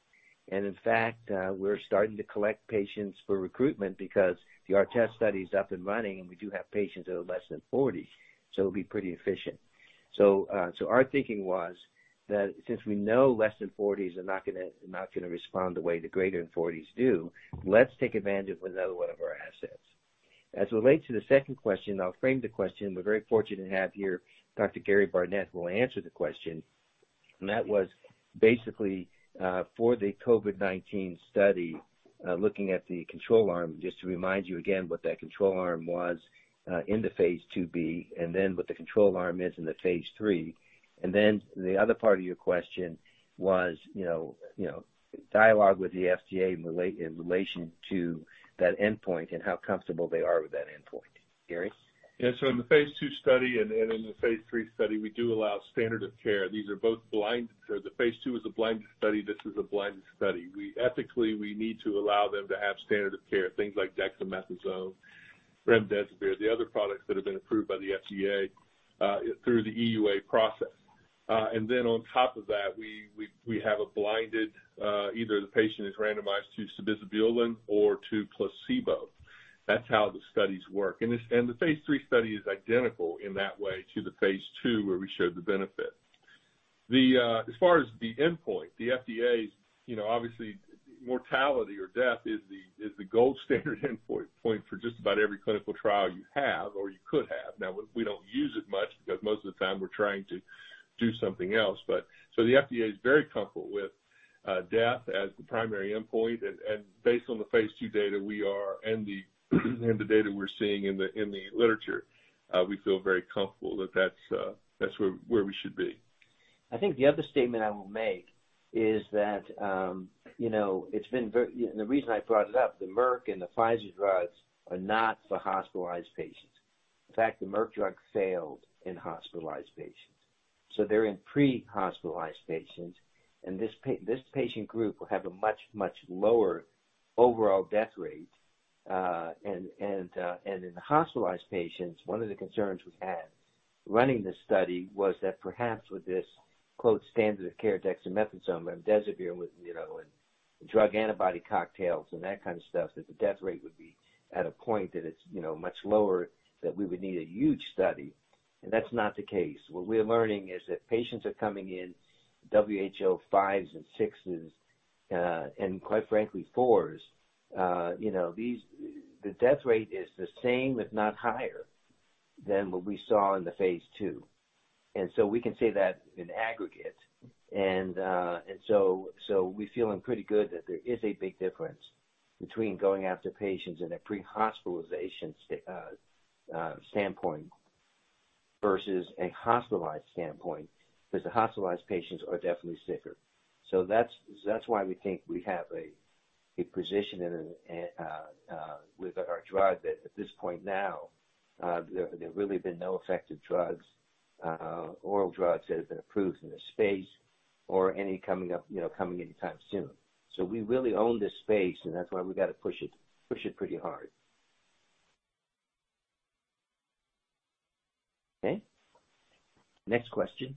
In fact, we're starting to collect patients for recruitment because the ARTEST study is up and running, and we do have patients that are less than 40, so it'll be pretty efficient. Our thinking was that since we know less than 40s are not gonna respond the way the greater than 40s do, let's take advantage of another one of our assets. As it relates to the second question, I'll frame the question. We're very fortunate to have here Dr. Gary Barnett will answer the question. That was basically for the COVID-19 study, looking at the control arm, just to remind you again what that control arm was in the phase II-B, and then what the control arm is in the phase III. The other part of your question was, you know, dialogue with the FDA in relation to that endpoint and how comfortable they are with that endpoint. Gary? Yeah. In the phase II study and in the phase III study, we do allow standard of care. These are both blind. The phase II is a blinded study. This is a blinded study. We ethically need to allow them to have standard of care, things like dexamethasone, remdesivir, the other products that have been approved by the FDA through the EUA process. Then on top of that, we have a blinded either the patient is randomized to sabizabulin or to placebo. That's how the studies work. The phase III study is identical in that way to the phase II where we showed the benefit. As far as the endpoint, the FDA's, you know, obviously, mortality or death is the gold standard endpoint for just about every clinical trial you have or you could have. Now, we don't use it much because most of the time we're trying to do something else. The FDA is very comfortable with death as the primary endpoint. Based on the phase II data we have and the data we're seeing in the literature, we feel very comfortable that that's where we should be. I think the other statement I will make is that, you know, it's been very. The reason I brought it up, the Merck and the Pfizer drugs are not for hospitalized patients. In fact, the Merck drug failed in hospitalized patients. They're in pre-hospitalized patients, and this patient group will have a much, much lower overall death rate. In the hospitalized patients, one of the concerns we had running this study was that perhaps with this, quote, "standard of care," dexamethasone, remdesivir with, you know, and drug antibody cocktails and that kind of stuff, that the death rate would be at a point that it's, you know, much lower, that we would need a huge study. That's not the case. What we're learning is that patients are coming in WHO 5s and 6s, and quite frankly, 4s. You know, the death rate is the same, if not higher, than what we saw in phase II. We can say that in aggregate. We're feeling pretty good that there is a big difference between going after patients in a pre-hospitalization standpoint versus a hospitalized standpoint, 'cause the hospitalized patients are definitely sicker. That's why we think we have a position with our drug that at this point now, there really been no effective drugs, oral drugs that have been approved in this space or any coming up, you know, coming anytime soon. We really own this space, and that's why we gotta push it pretty hard. Okay. Next question.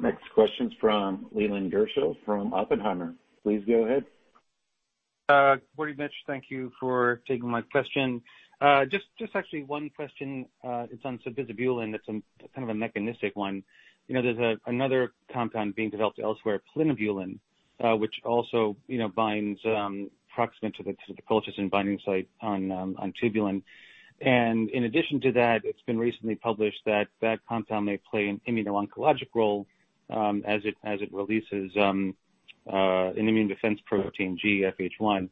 Next question's from Leland Gershell from Oppenheimer. Please go ahead. Good morning, Mitch. Thank you for taking my question. Just actually one question, it's on sabizabulin. It's kind of a mechanistic one. You know, there's another compound being developed elsewhere, plinabulin, which also, you know, binds proximate to the colchicine binding site on tubulin. In addition to that, it's been recently published that that compound may play an immuno-oncologic role, as it releases an immune defense protein, GEF-H1.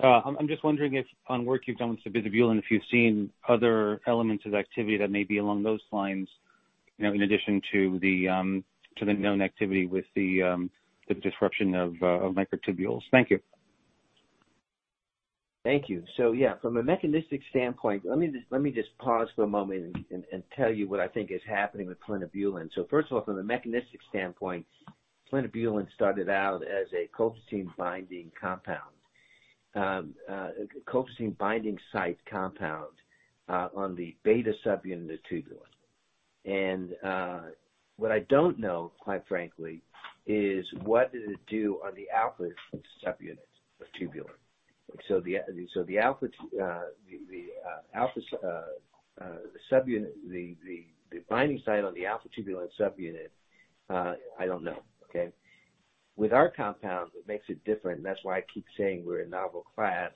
I'm just wondering if on work you've done with sabizabulin, if you've seen other elements of activity that may be along those lines, you know, in addition to the known activity with the disruption of microtubules. Thank you. Thank you. Yeah, from a mechanistic standpoint, let me just pause for a moment and tell you what I think is happening with plinabulin. First of all, from a mechanistic standpoint, plinabulin started out as a colchicine binding site compound on the beta subunit of the tubulin. What I don't know, quite frankly, is what does it do on the alpha subunits of tubulin? The alpha subunit, the binding site on the alpha tubulin subunit, I don't know, okay? With our compound, what makes it different, and that's why I keep saying we're a novel class,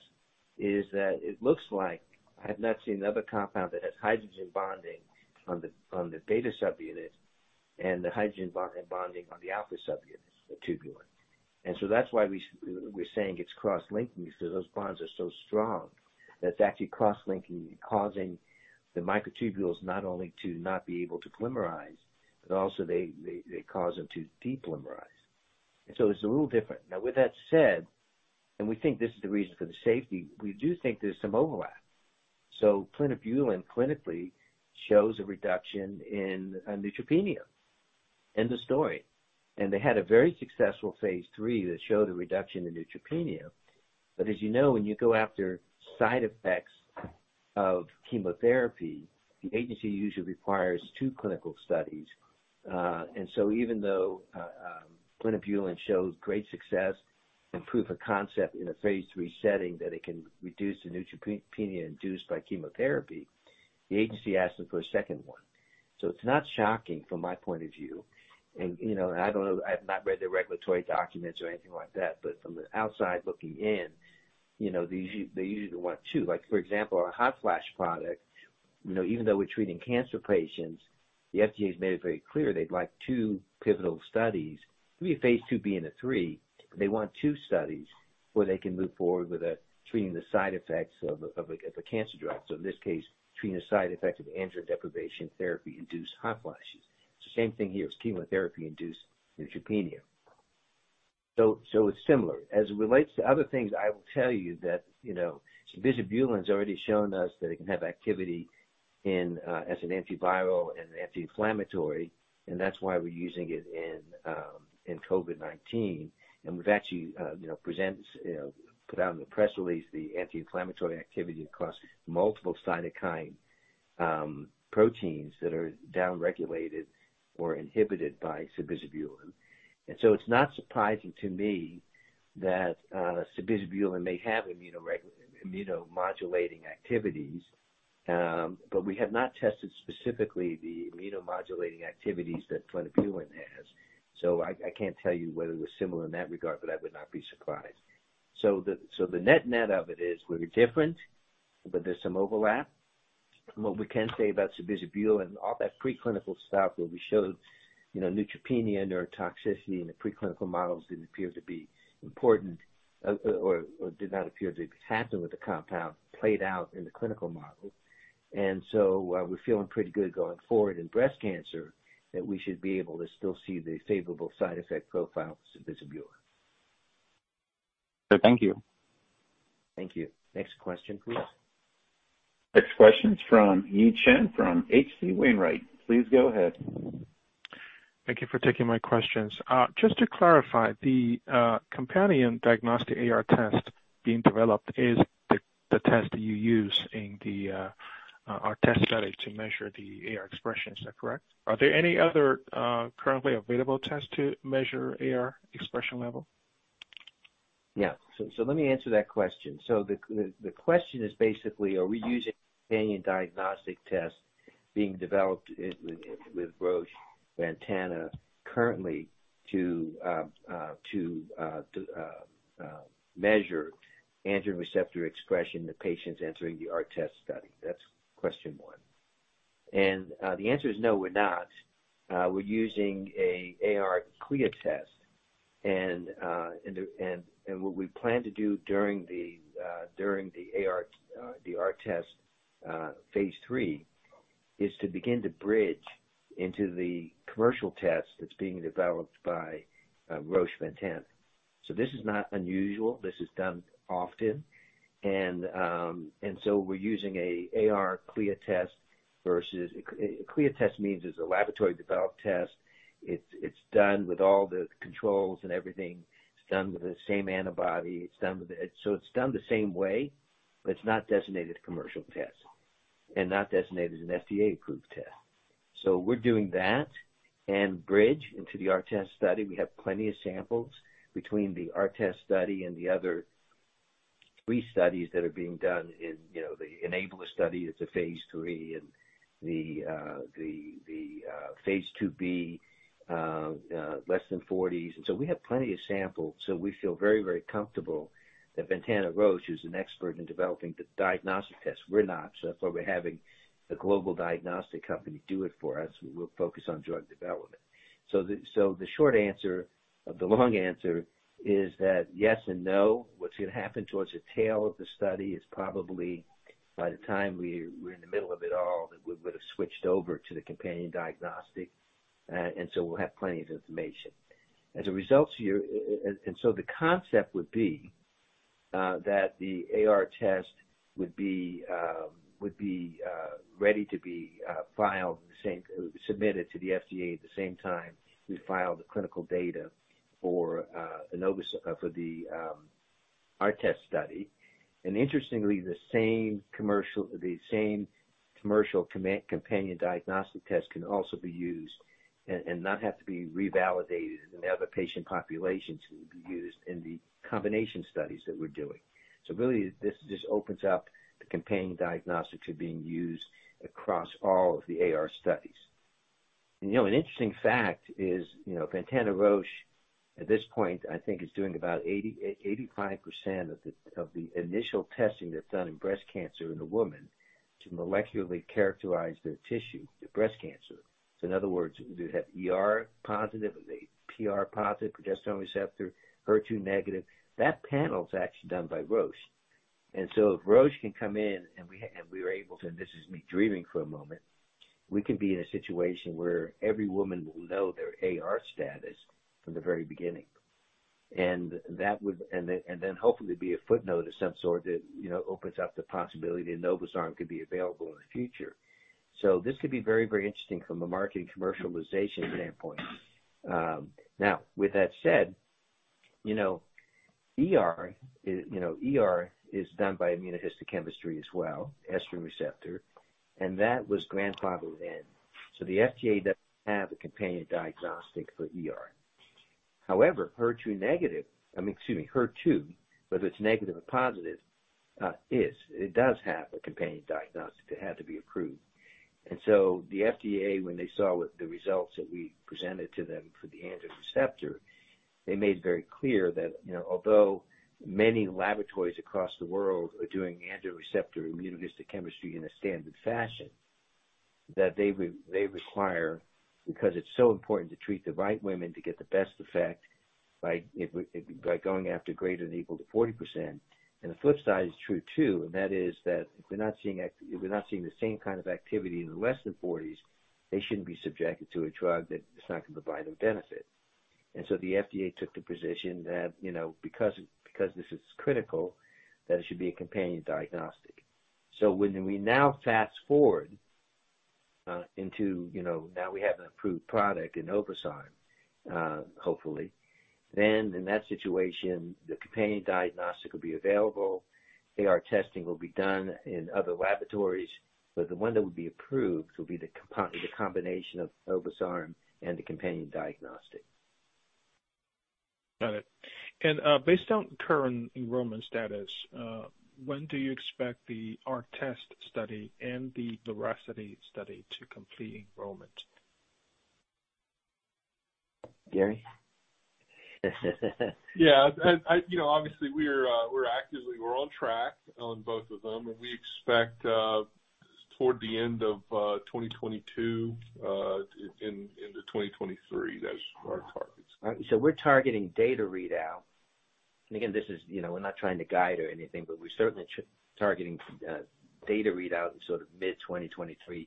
is that it looks like I have not seen another compound that has hydrogen bonding on the beta subunit and the hydrogen bonding on the alpha subunit of tubulin. That's why we're saying it's cross-linking, because those bonds are so strong that it's actually cross-linking and causing the microtubules not only to not be able to polymerize, but also they cause them to depolymerize. It's a little different. Now, with that said, and we think this is the reason for the safety, we do think there's some overlap. Plinabulin clinically shows a reduction in neutropenia. End of story. They had a very successful phase III that showed a reduction in neutropenia. As you know, when you go after side effects of chemotherapy, the agency usually requires two clinical studies. Even though plinabulin shows great success and proof of concept in a phase III setting that it can reduce the neutropenia induced by chemotherapy, the agency asked them for a second one. It's not shocking from my point of view. You know, and I don't know, I have not read the regulatory documents or anything like that, but from the outside looking in, you know, they usually want two. Like, for example, our hot flash product, you know, even though we're treating cancer patients, the FDA has made it very clear they'd like two pivotal studies. It could be a phase II-B and a phase III, but they want two studies where they can move forward with treating the side effects of a cancer drug. In this case, treating the side effects of androgen deprivation therapy-induced hot flashes. It's the same thing here. It's chemotherapy-induced neutropenia. It's similar. As it relates to other things, I will tell you that, you know, sabizabulin's already shown us that it can have activity in as an antiviral and an anti-inflammatory, and that's why we're using it in COVID-19. We've actually, you know, presented, you know, put out in the press release the anti-inflammatory activity across multiple cytokine proteins that are downregulated or inhibited by sabizabulin. It's not surprising to me that sabizabulin may have immunomodulating activities, but we have not tested specifically the immunomodulating activities that plinabulin has. So I can't tell you whether they're similar in that regard, but I would not be surprised. So the net-net of it is we're different, but there's some overlap. What we can say about sabizabulin, all that preclinical stuff where we showed, you know, neutropenia, neurotoxicity in the preclinical models didn't appear to be important, or did not appear to happen with the compound played out in the clinical model. We're feeling pretty good going forward in breast cancer that we should be able to still see the favorable side effect profile with sabizabulin. Thank you. Thank you. Next question, please. Next question's from Yi Chen from H.C. Wainwright. Please go ahead. Thank you for taking my questions. Just to clarify, the companion diagnostic AR test being developed is the test you use in the ARTEST study to measure the AR expression. Is that correct? Are there any other currently available tests to measure AR expression level? Let me answer that question. The question is basically, are we using companion diagnostic tests being developed with Roche Ventana currently to measure androgen receptor expression in the patients entering the ARTEST study? That's question one. The answer is no, we're not. We're using an AR CLIA test. What we plan to do during the ARTEST phase III is to begin to bridge into the commercial test that's being developed by Roche Ventana. This is not unusual. This is done often. We're using an AR CLIA test versus a CLIA test. A CLIA test means it's a laboratory-developed test. It's done with all the controls and everything. It's done with the same antibody. It's done the same way, but it's not designated commercial test and not designated as an FDA-approved test. We're doing that and bridge into the ARTEST study. We have plenty of samples between the ARTEST study and the other three studies that are being done in the ENABLAR study. It's a phase III and the phase II-B less than 40s. We have plenty of samples. We feel very, very comfortable that Ventana Roche, who's an expert in developing the diagnostic tests. We're not, so that's why we're having the global diagnostic company do it for us. We'll focus on drug development. The short answer of the long answer is that yes and no. What's gonna happen towards the tail of the study is probably by the time we're in the middle of it all, that we would've switched over to the companion diagnostic, and we'll have plenty of information. As a result here, the concept would be that the AR test would be ready to be submitted to the FDA at the same time we file the clinical data for the ARTEST study. Interestingly, the same commercial companion diagnostic test can also be used and not have to be revalidated in other patient populations and be used in the combination studies that we're doing. Really, this opens up the companion diagnostics are being used across all of the AR studies. You know, an interesting fact is, you know, Ventana Roche at this point, I think is doing about 85% of the initial testing that's done in breast cancer in a woman to molecularly characterize their tissue, the breast cancer. In other words, do they have ER positive? Are they PR positive, progesterone receptor, HER2 negative? That panel's actually done by Roche. If Roche can come in and we were able to, and this is me dreaming for a moment, we can be in a situation where every woman will know their AR status from the very beginning. That would, and then hopefully be a footnote of some sort that, you know, opens up the possibility that enobosarm could be available in the future. This could be very, very interesting from a marketing commercialization standpoint. Now with that said, you know, ER, you know, ER is done by immunohistochemistry as well, estrogen receptor. That was grandfathered in. The FDA doesn't have a companion diagnostic for ER. However, HER2 negative, I mean, excuse me, HER2, whether it's negative or positive, is, it does have a companion diagnostic. It had to be approved. The FDA, when they saw what the results that we presented to them for the androgen receptor, they made very clear that, you know, although many laboratories across the world are doing androgen receptor immunohistochemistry in a standard fashion, that they require because it's so important to treat the right women to get the best effect by, if by going after greater than or equal to 40%. The flip side is true, too, and that is that if we're not seeing the same kind of activity in the less than 40s, they shouldn't be subjected to a drug that is not gonna provide them benefit. The FDA took the position that, because this is critical, that it should be a companion diagnostic. When we now fast-forward into now we have an approved product in Ventana, hopefully then in that situation, the companion diagnostic will be available. AR testing will be done in other laboratories, but the one that would be approved will be the combination of Ventana and the companion diagnostic. Got it. Based on current enrollment status, when do you expect the ARTEST study and the VERACITY study to complete enrollment? Gary? Yeah. I, you know, obviously we're on track on both of them, and we expect toward the end of 2022 into 2023. That's our targets. We're targeting data readout. Again, this is, you know, we're not trying to guide or anything, but we certainly targeting data readout in sort of mid-2023,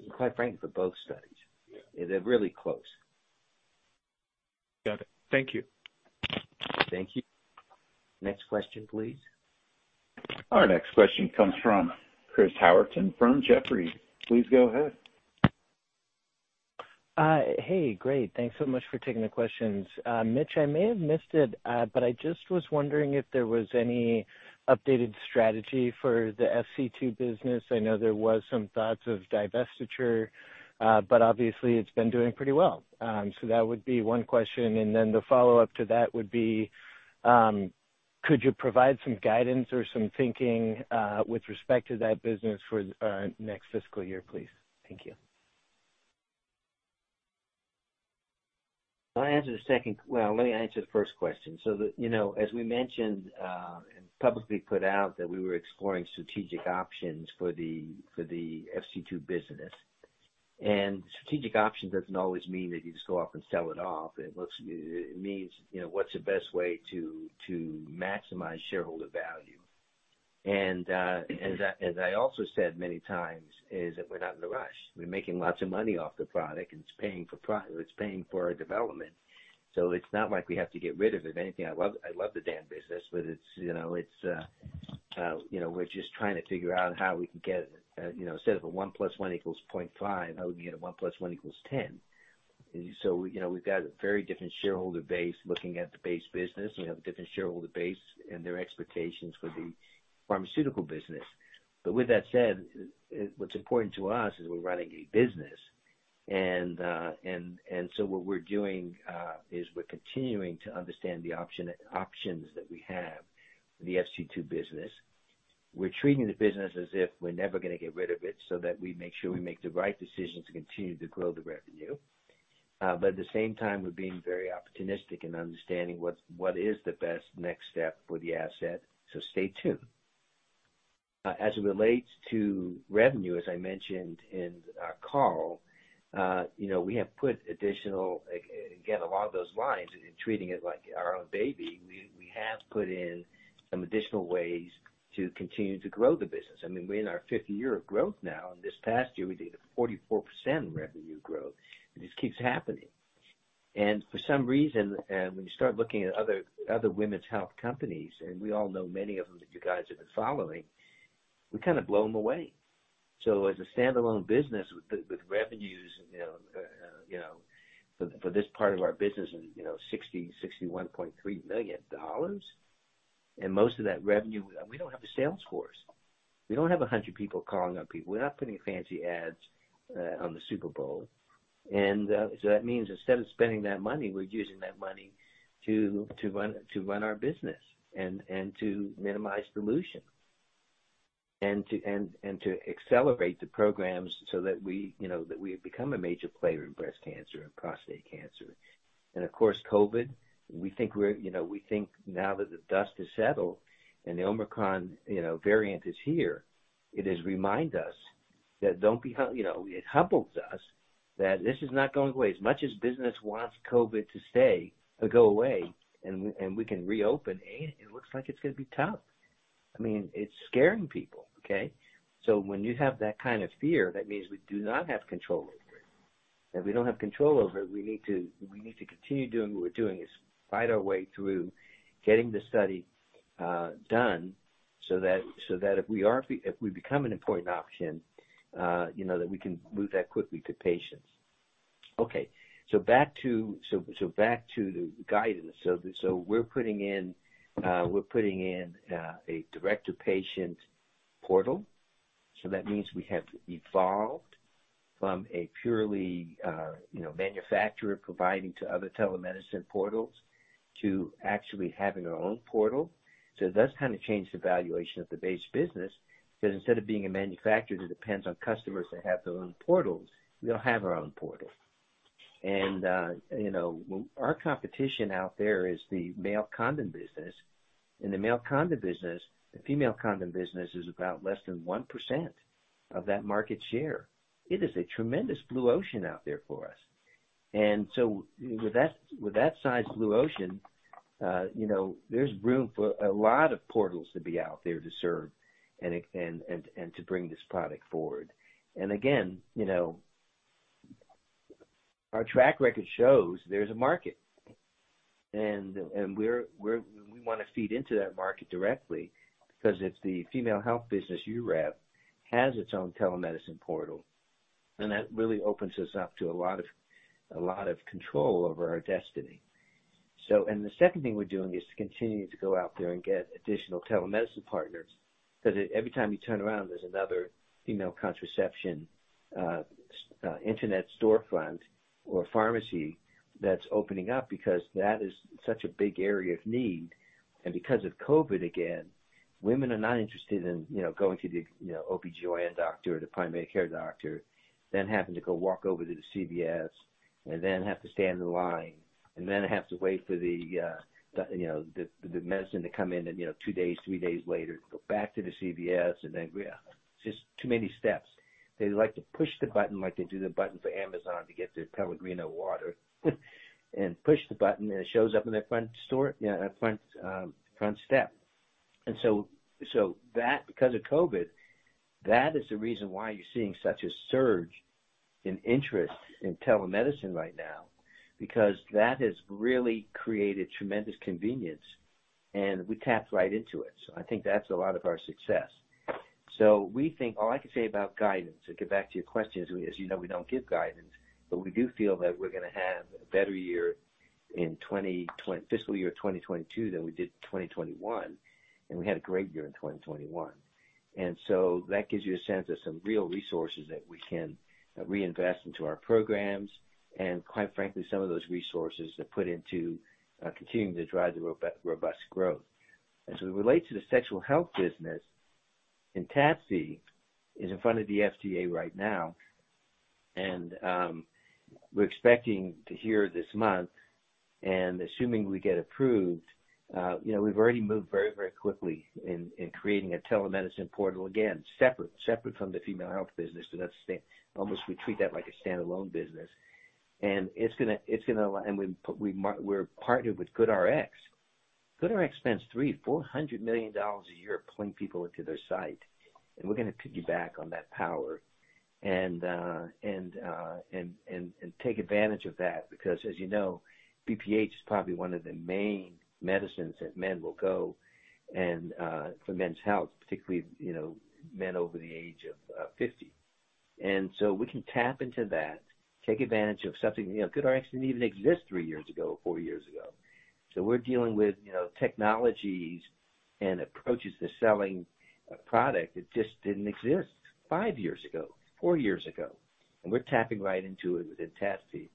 and quite frankly, for both studies. Yeah. They're really close. Got it. Thank you. Thank you. Next question, please. Our next question comes from Chris Howerton from Jefferies. Please go ahead. Hey, great. Thanks so much for taking the questions. Mitch, I may have missed it, but I just was wondering if there was any updated strategy for the FC2 business. I know there was some thoughts of divestiture, but obviously it's been doing pretty well. That would be one question. The follow-up to that would be, could you provide some guidance or some thinking, with respect to that business for, next fiscal year, please? Thank you. I'll answer the second. Well, let me answer the first question. The, you know, as we mentioned, and publicly put out that we were exploring strategic options for the FC2 business. Strategic options doesn't always mean that you just go off and sell it off. It means, you know, what's the best way to maximize shareholder value. As I also said many times is that we're not in a rush. We're making lots of money off the product, and it's paying for our development. It's not like we have to get rid of it. If anything, I love the damn business, but it's, you know, it's, we're just trying to figure out how we can get, instead of a 1 + 1 = 0.5, how do we get a 1 + 1 = 10? You know, we've got a very different shareholder base looking at the base business. We have a different shareholder base and their expectations for the pharmaceutical business. But with that said, what's important to us is we're running a business. What we're doing is we're continuing to understand the options that we have for the FC2 business. We're treating the business as if we're never gonna get rid of it, so that we make sure we make the right decisions to continue to grow the revenue. At the same time, we're being very opportunistic in understanding what is the best next step for the asset. Stay tuned. As it relates to revenue, as I mentioned in our call, you know, we have put additional, again, along those lines in treating it like our own baby, we have put in some additional ways to continue to grow the business. I mean, we're in our fifth year of growth now. In this past year, we did a 44% revenue growth. It just keeps happening. For some reason, when you start looking at other women's health companies, and we all know many of them that you guys have been following, we kind of blow them away. As a standalone business with revenues, you know, for this part of our business is, you know, $61.3 million. Most of that revenue, we don't have a sales force. We don't have 100 people calling up people. We're not putting fancy ads on the Super Bowl. That means instead of spending that money, we're using that money to run our business and to minimize dilution, and to accelerate the programs so that we, you know, that we have become a major player in breast cancer and prostate cancer. Of course, COVID, we think now that the dust is settled and the Omicron variant is here, it humbles us that this is not going away. As much as business wants COVID to go away and we can reopen, it looks like it's gonna be tough. I mean, it's scaring people, okay? When you have that kind of fear, that means we do not have control over it. If we don't have control over it, we need to continue doing what we're doing, fight our way through getting the study done so that if we become an important option, you know, that we can move that quickly to patients. Okay. Back to the guidance. We're putting in a direct-to-patient portal. That means we have evolved from a purely, you know, manufacturer providing to other telemedicine portals to actually having our own portal. It does kind of change the valuation of the base business because instead of being a manufacturer that depends on customers that have their own portals, we'll have our own portal. You know, our competition out there is the male condom business. In the male condom business, the female condom business is about less than 1% of that market share. It is a tremendous blue ocean out there for us. With that size blue ocean, you know, there's room for a lot of portals to be out there to serve and to bring this product forward. Again, you know, our track record shows there's a market. We wanna feed into that market directly because if the female health business Urev has its own telemedicine portal, then that really opens us up to a lot of control over our destiny. The second thing we're doing is to continue to go out there and get additional telemedicine partners, because every time you turn around, there's another female contraception internet storefront or pharmacy that's opening up because that is such a big area of need. Because of COVID, again, women are not interested in, you know, going to the, you know, OB-GYN doctor or the primary care doctor, then having to go walk over to the CVS and then have to stand in line and then have to wait for the, you know, the medicine to come in and, you know, two days, three days later, go back to the CVS and then. It's just too many steps. They like to push the button, like they do the button for Amazon to get their Pellegrino water and push the button, and it shows up in their front door, front step. So that because of COVID, that is the reason why you're seeing such a surge in interest in telemedicine right now, because that has really created tremendous convenience, and we tap right into it. I think that's a lot of our success. We think that's all I can say about guidance, to get back to your question, as you know, we don't give guidance, but we do feel that we're going to have a better year in fiscal year 2022 than we did in 2021. We had a great year in 2021. That gives you a sense of some real resources that we can reinvest into our programs. Quite frankly, some of those resources are put into continuing to drive the robust growth. As it relates to the sexual health business, ENTADFI is in front of the FDA right now, and we're expecting to hear this month, and assuming we get approved, you know, we've already moved very quickly in creating a telemedicine portal. Again, separate from the female health business. We treat that like a standalone business. We're partnered with GoodRx. GoodRx spends $300 million-$400 million a year pulling people into their site. We're going to piggyback on that power and take advantage of that. Because, as you know, BPH is probably one of the main medicines that men will go in for men's health, particularly, you know, men over the age of 50. We can tap into that, take advantage of something. You know, GoodRx didn't even exist three years ago, four years ago. We're dealing with, you know, technologies and approaches to selling a product that just didn't exist five years ago, four years ago. We're tapping right into it with ENTADFI.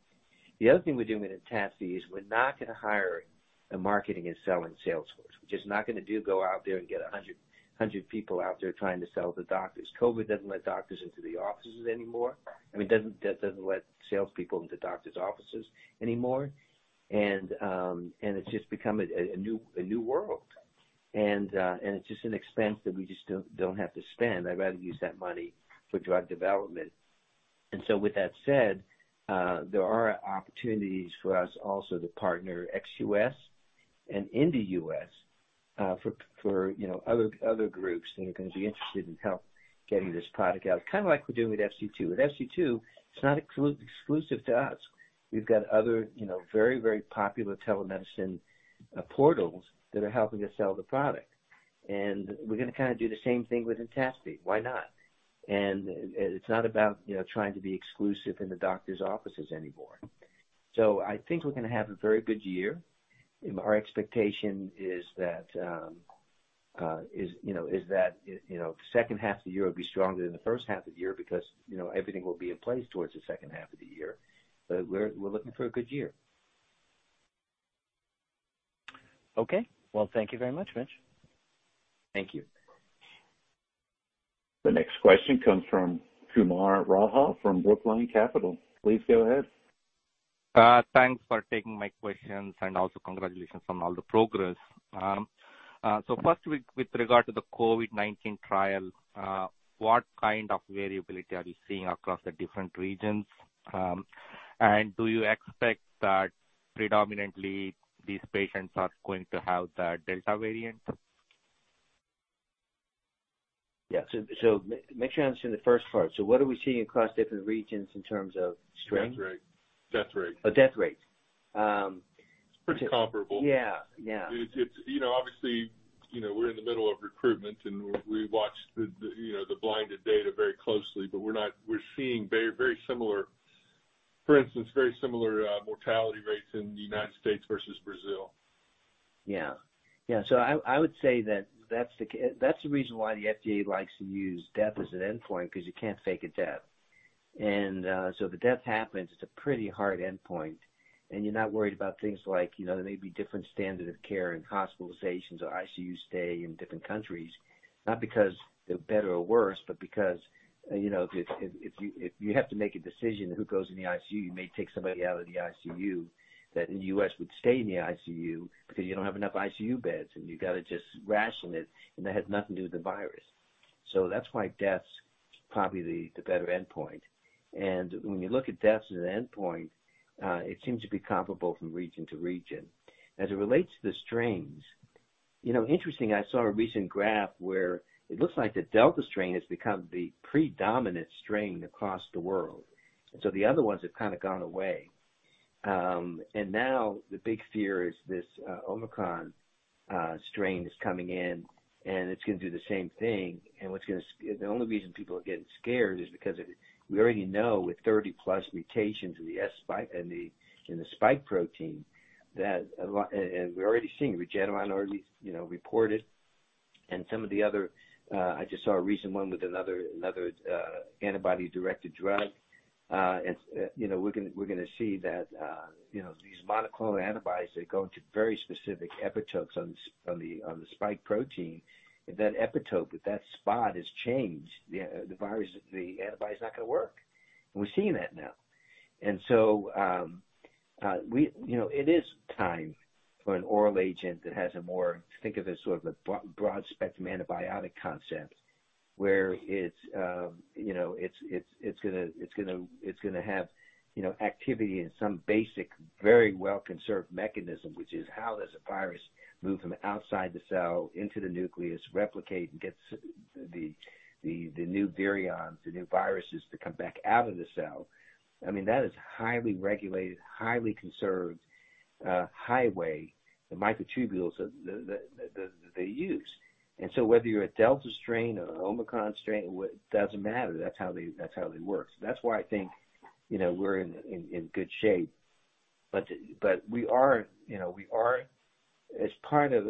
The other thing we're doing with ENTADFI is we're not going to hire a marketing and sales force. We're just not going to go out there and get 100 people out there trying to sell to doctors. COVID doesn't let doctors into the offices anymore. I mean, it doesn't let salespeople into doctors' offices anymore. It's just become a new world. It's just an expense that we just don't have to spend. I'd rather use that money for drug development. With that said, there are opportunities for us also to partner ex-U.S. and in the U.S. for you know, other groups that are going to be interested in helping get this product out, kind of like we're doing with FC2. With FC2, it's not exclusive to us. We've got other, you know, very, very popular telemedicine portals that are helping us sell the product. We're going to kind of do the same thing with ENTADFI. Why not? It's not about, you know, trying to be exclusive in the doctor's offices anymore. I think we're going to have a very good year. Our expectation is that, you know, second half of the year will be stronger than the first half of the year because, you know, everything will be in place towards the second half of the year. We're looking for a good year. Okay. Well, thank you very much, Mitch. Thank you. The next question comes from Kumar Raja from Brookline Capital. Please go ahead. Thanks for taking my questions and also congratulations on all the progress. First, with regard to the COVID-19 trial, what kind of variability are you seeing across the different regions? Do you expect that predominantly these patients are going to have the Delta variant? Yeah. Make sure I understand the first part. What are we seeing across different regions in terms of strain? Death rate. Oh, death rate. It's pretty comparable. Yeah, yeah. It's, you know, obviously, you know, we're in the middle of recruitment, and we watch the, you know, the blinded data very closely, but we're seeing very similar, for instance, mortality rates in the United States versus Brazil. Yeah. I would say that that's the reason why the FDA likes to use death as an endpoint, because you can't fake a death. If a death happens, it's a pretty hard endpoint, and you're not worried about things like, you know, there may be different standard of care in hospitalizations or ICU stay in different countries, not because they're better or worse, but because, you know, if you have to make a decision who goes in the ICU, you may take somebody out of the ICU that in the U.S. would stay in the ICU because you don't have enough ICU beds and you got to just ration it. That has nothing to do with the virus. That's why death's probably the better endpoint. When you look at deaths as an endpoint, it seems to be comparable from region to region. As it relates to the strains, you know, interesting, I saw a recent graph where it looks like the Delta strain has become the predominant strain across the world. The other ones have kind of gone away. Now the big fear is this Omicron strain is coming in, and it's going to do the same thing. The only reason people are getting scared is because we already know with 30+ mutations in the S spike, in the spike protein, that, and we're already seeing Regeneron already, you know, reported and some of the other. I just saw a recent one with another antibody-directed drug. You know, we're gonna see that, you know, these monoclonal antibodies, they're going to very specific epitopes on the spike protein. If that epitope, if that spot is changed, the virus, the antibody is not going to work. We're seeing that now. you know, it is time for an oral agent that has more, think of it as sort of a broad-spectrum antibiotic concept. Where it's you know, it's gonna have you know, activity in some basic, very well conserved mechanism, which is how does a virus move from outside the cell into the nucleus, replicate, and get the new virions, the new viruses to come back out of the cell. I mean, that is highly regulated, highly conserved highway, the microtubules that they use. Whether you're a Delta strain or an Omicron strain, it doesn't matter. That's how they work. That's why I think, you know, we're in good shape. We are, you know, we are as part of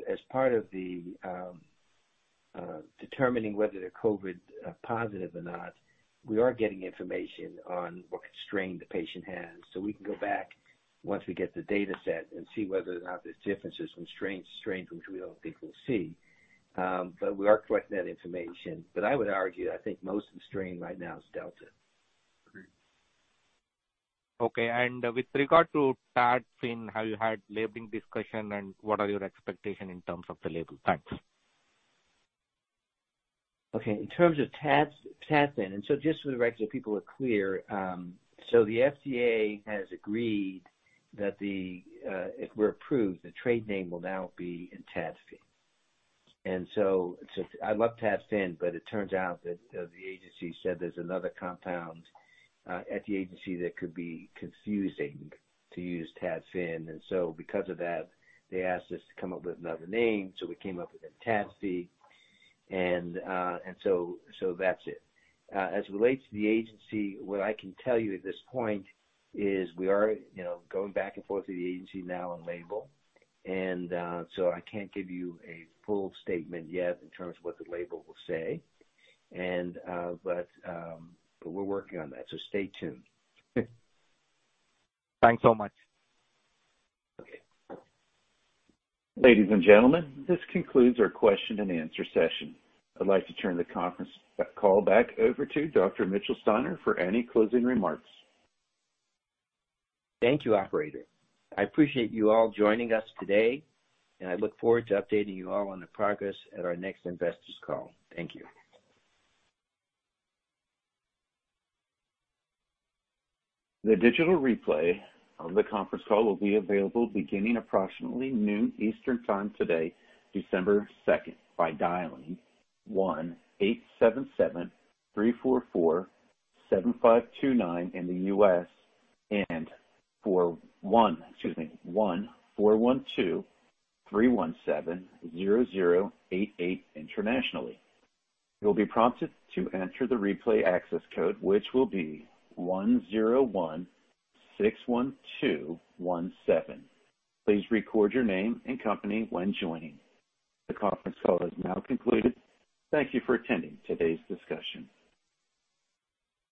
determining whether they're COVID positive or not, we are getting information on what strain the patient has. We can go back once we get the data set and see whether or not there's differences from strain to strain, which we don't think we'll see. We are collecting that information. I would argue, I think most of the strain right now is Delta. Okay. With regard to TADFIN, have you had labeling discussions and what are your expectations in terms of the label? Thanks. Okay. In terms of TADFIN, just for the record, so people are clear, the FDA has agreed that if we're approved, the trade name will now be ENTADFI. I love TADFIN, but it turns out that the agency said there's another compound at the agency that could be confusing to use TADFIN. Because of that, they asked us to come up with another name, so we came up with ENTADFI. That's it. As it relates to the agency, what I can tell you at this point is we are, you know, going back and forth with the agency now on label. I can't give you a full statement yet in terms of what the label will say. We're working on that, so stay tuned. Thanks so much. Okay. Ladies and gentlemen, this concludes our question and answer session. I'd like to turn the conference call back over to Dr. Mitchell Steiner for any closing remarks. Thank you, operator. I appreciate you all joining us today, and I look forward to updating you all on the progress at our next investor's call. Thank you. The digital replay of the conference call will be available beginning approximately noon Eastern Time today, December 2Nd, by dialing 1-877-344-7529 in the U.S. and excuse me, 1-412-317-0088 internationally. You'll be prompted to enter the replay access code, which will be 1016217. Please record your name and company when joining. The conference call has now concluded. Thank you for attending today's discussion.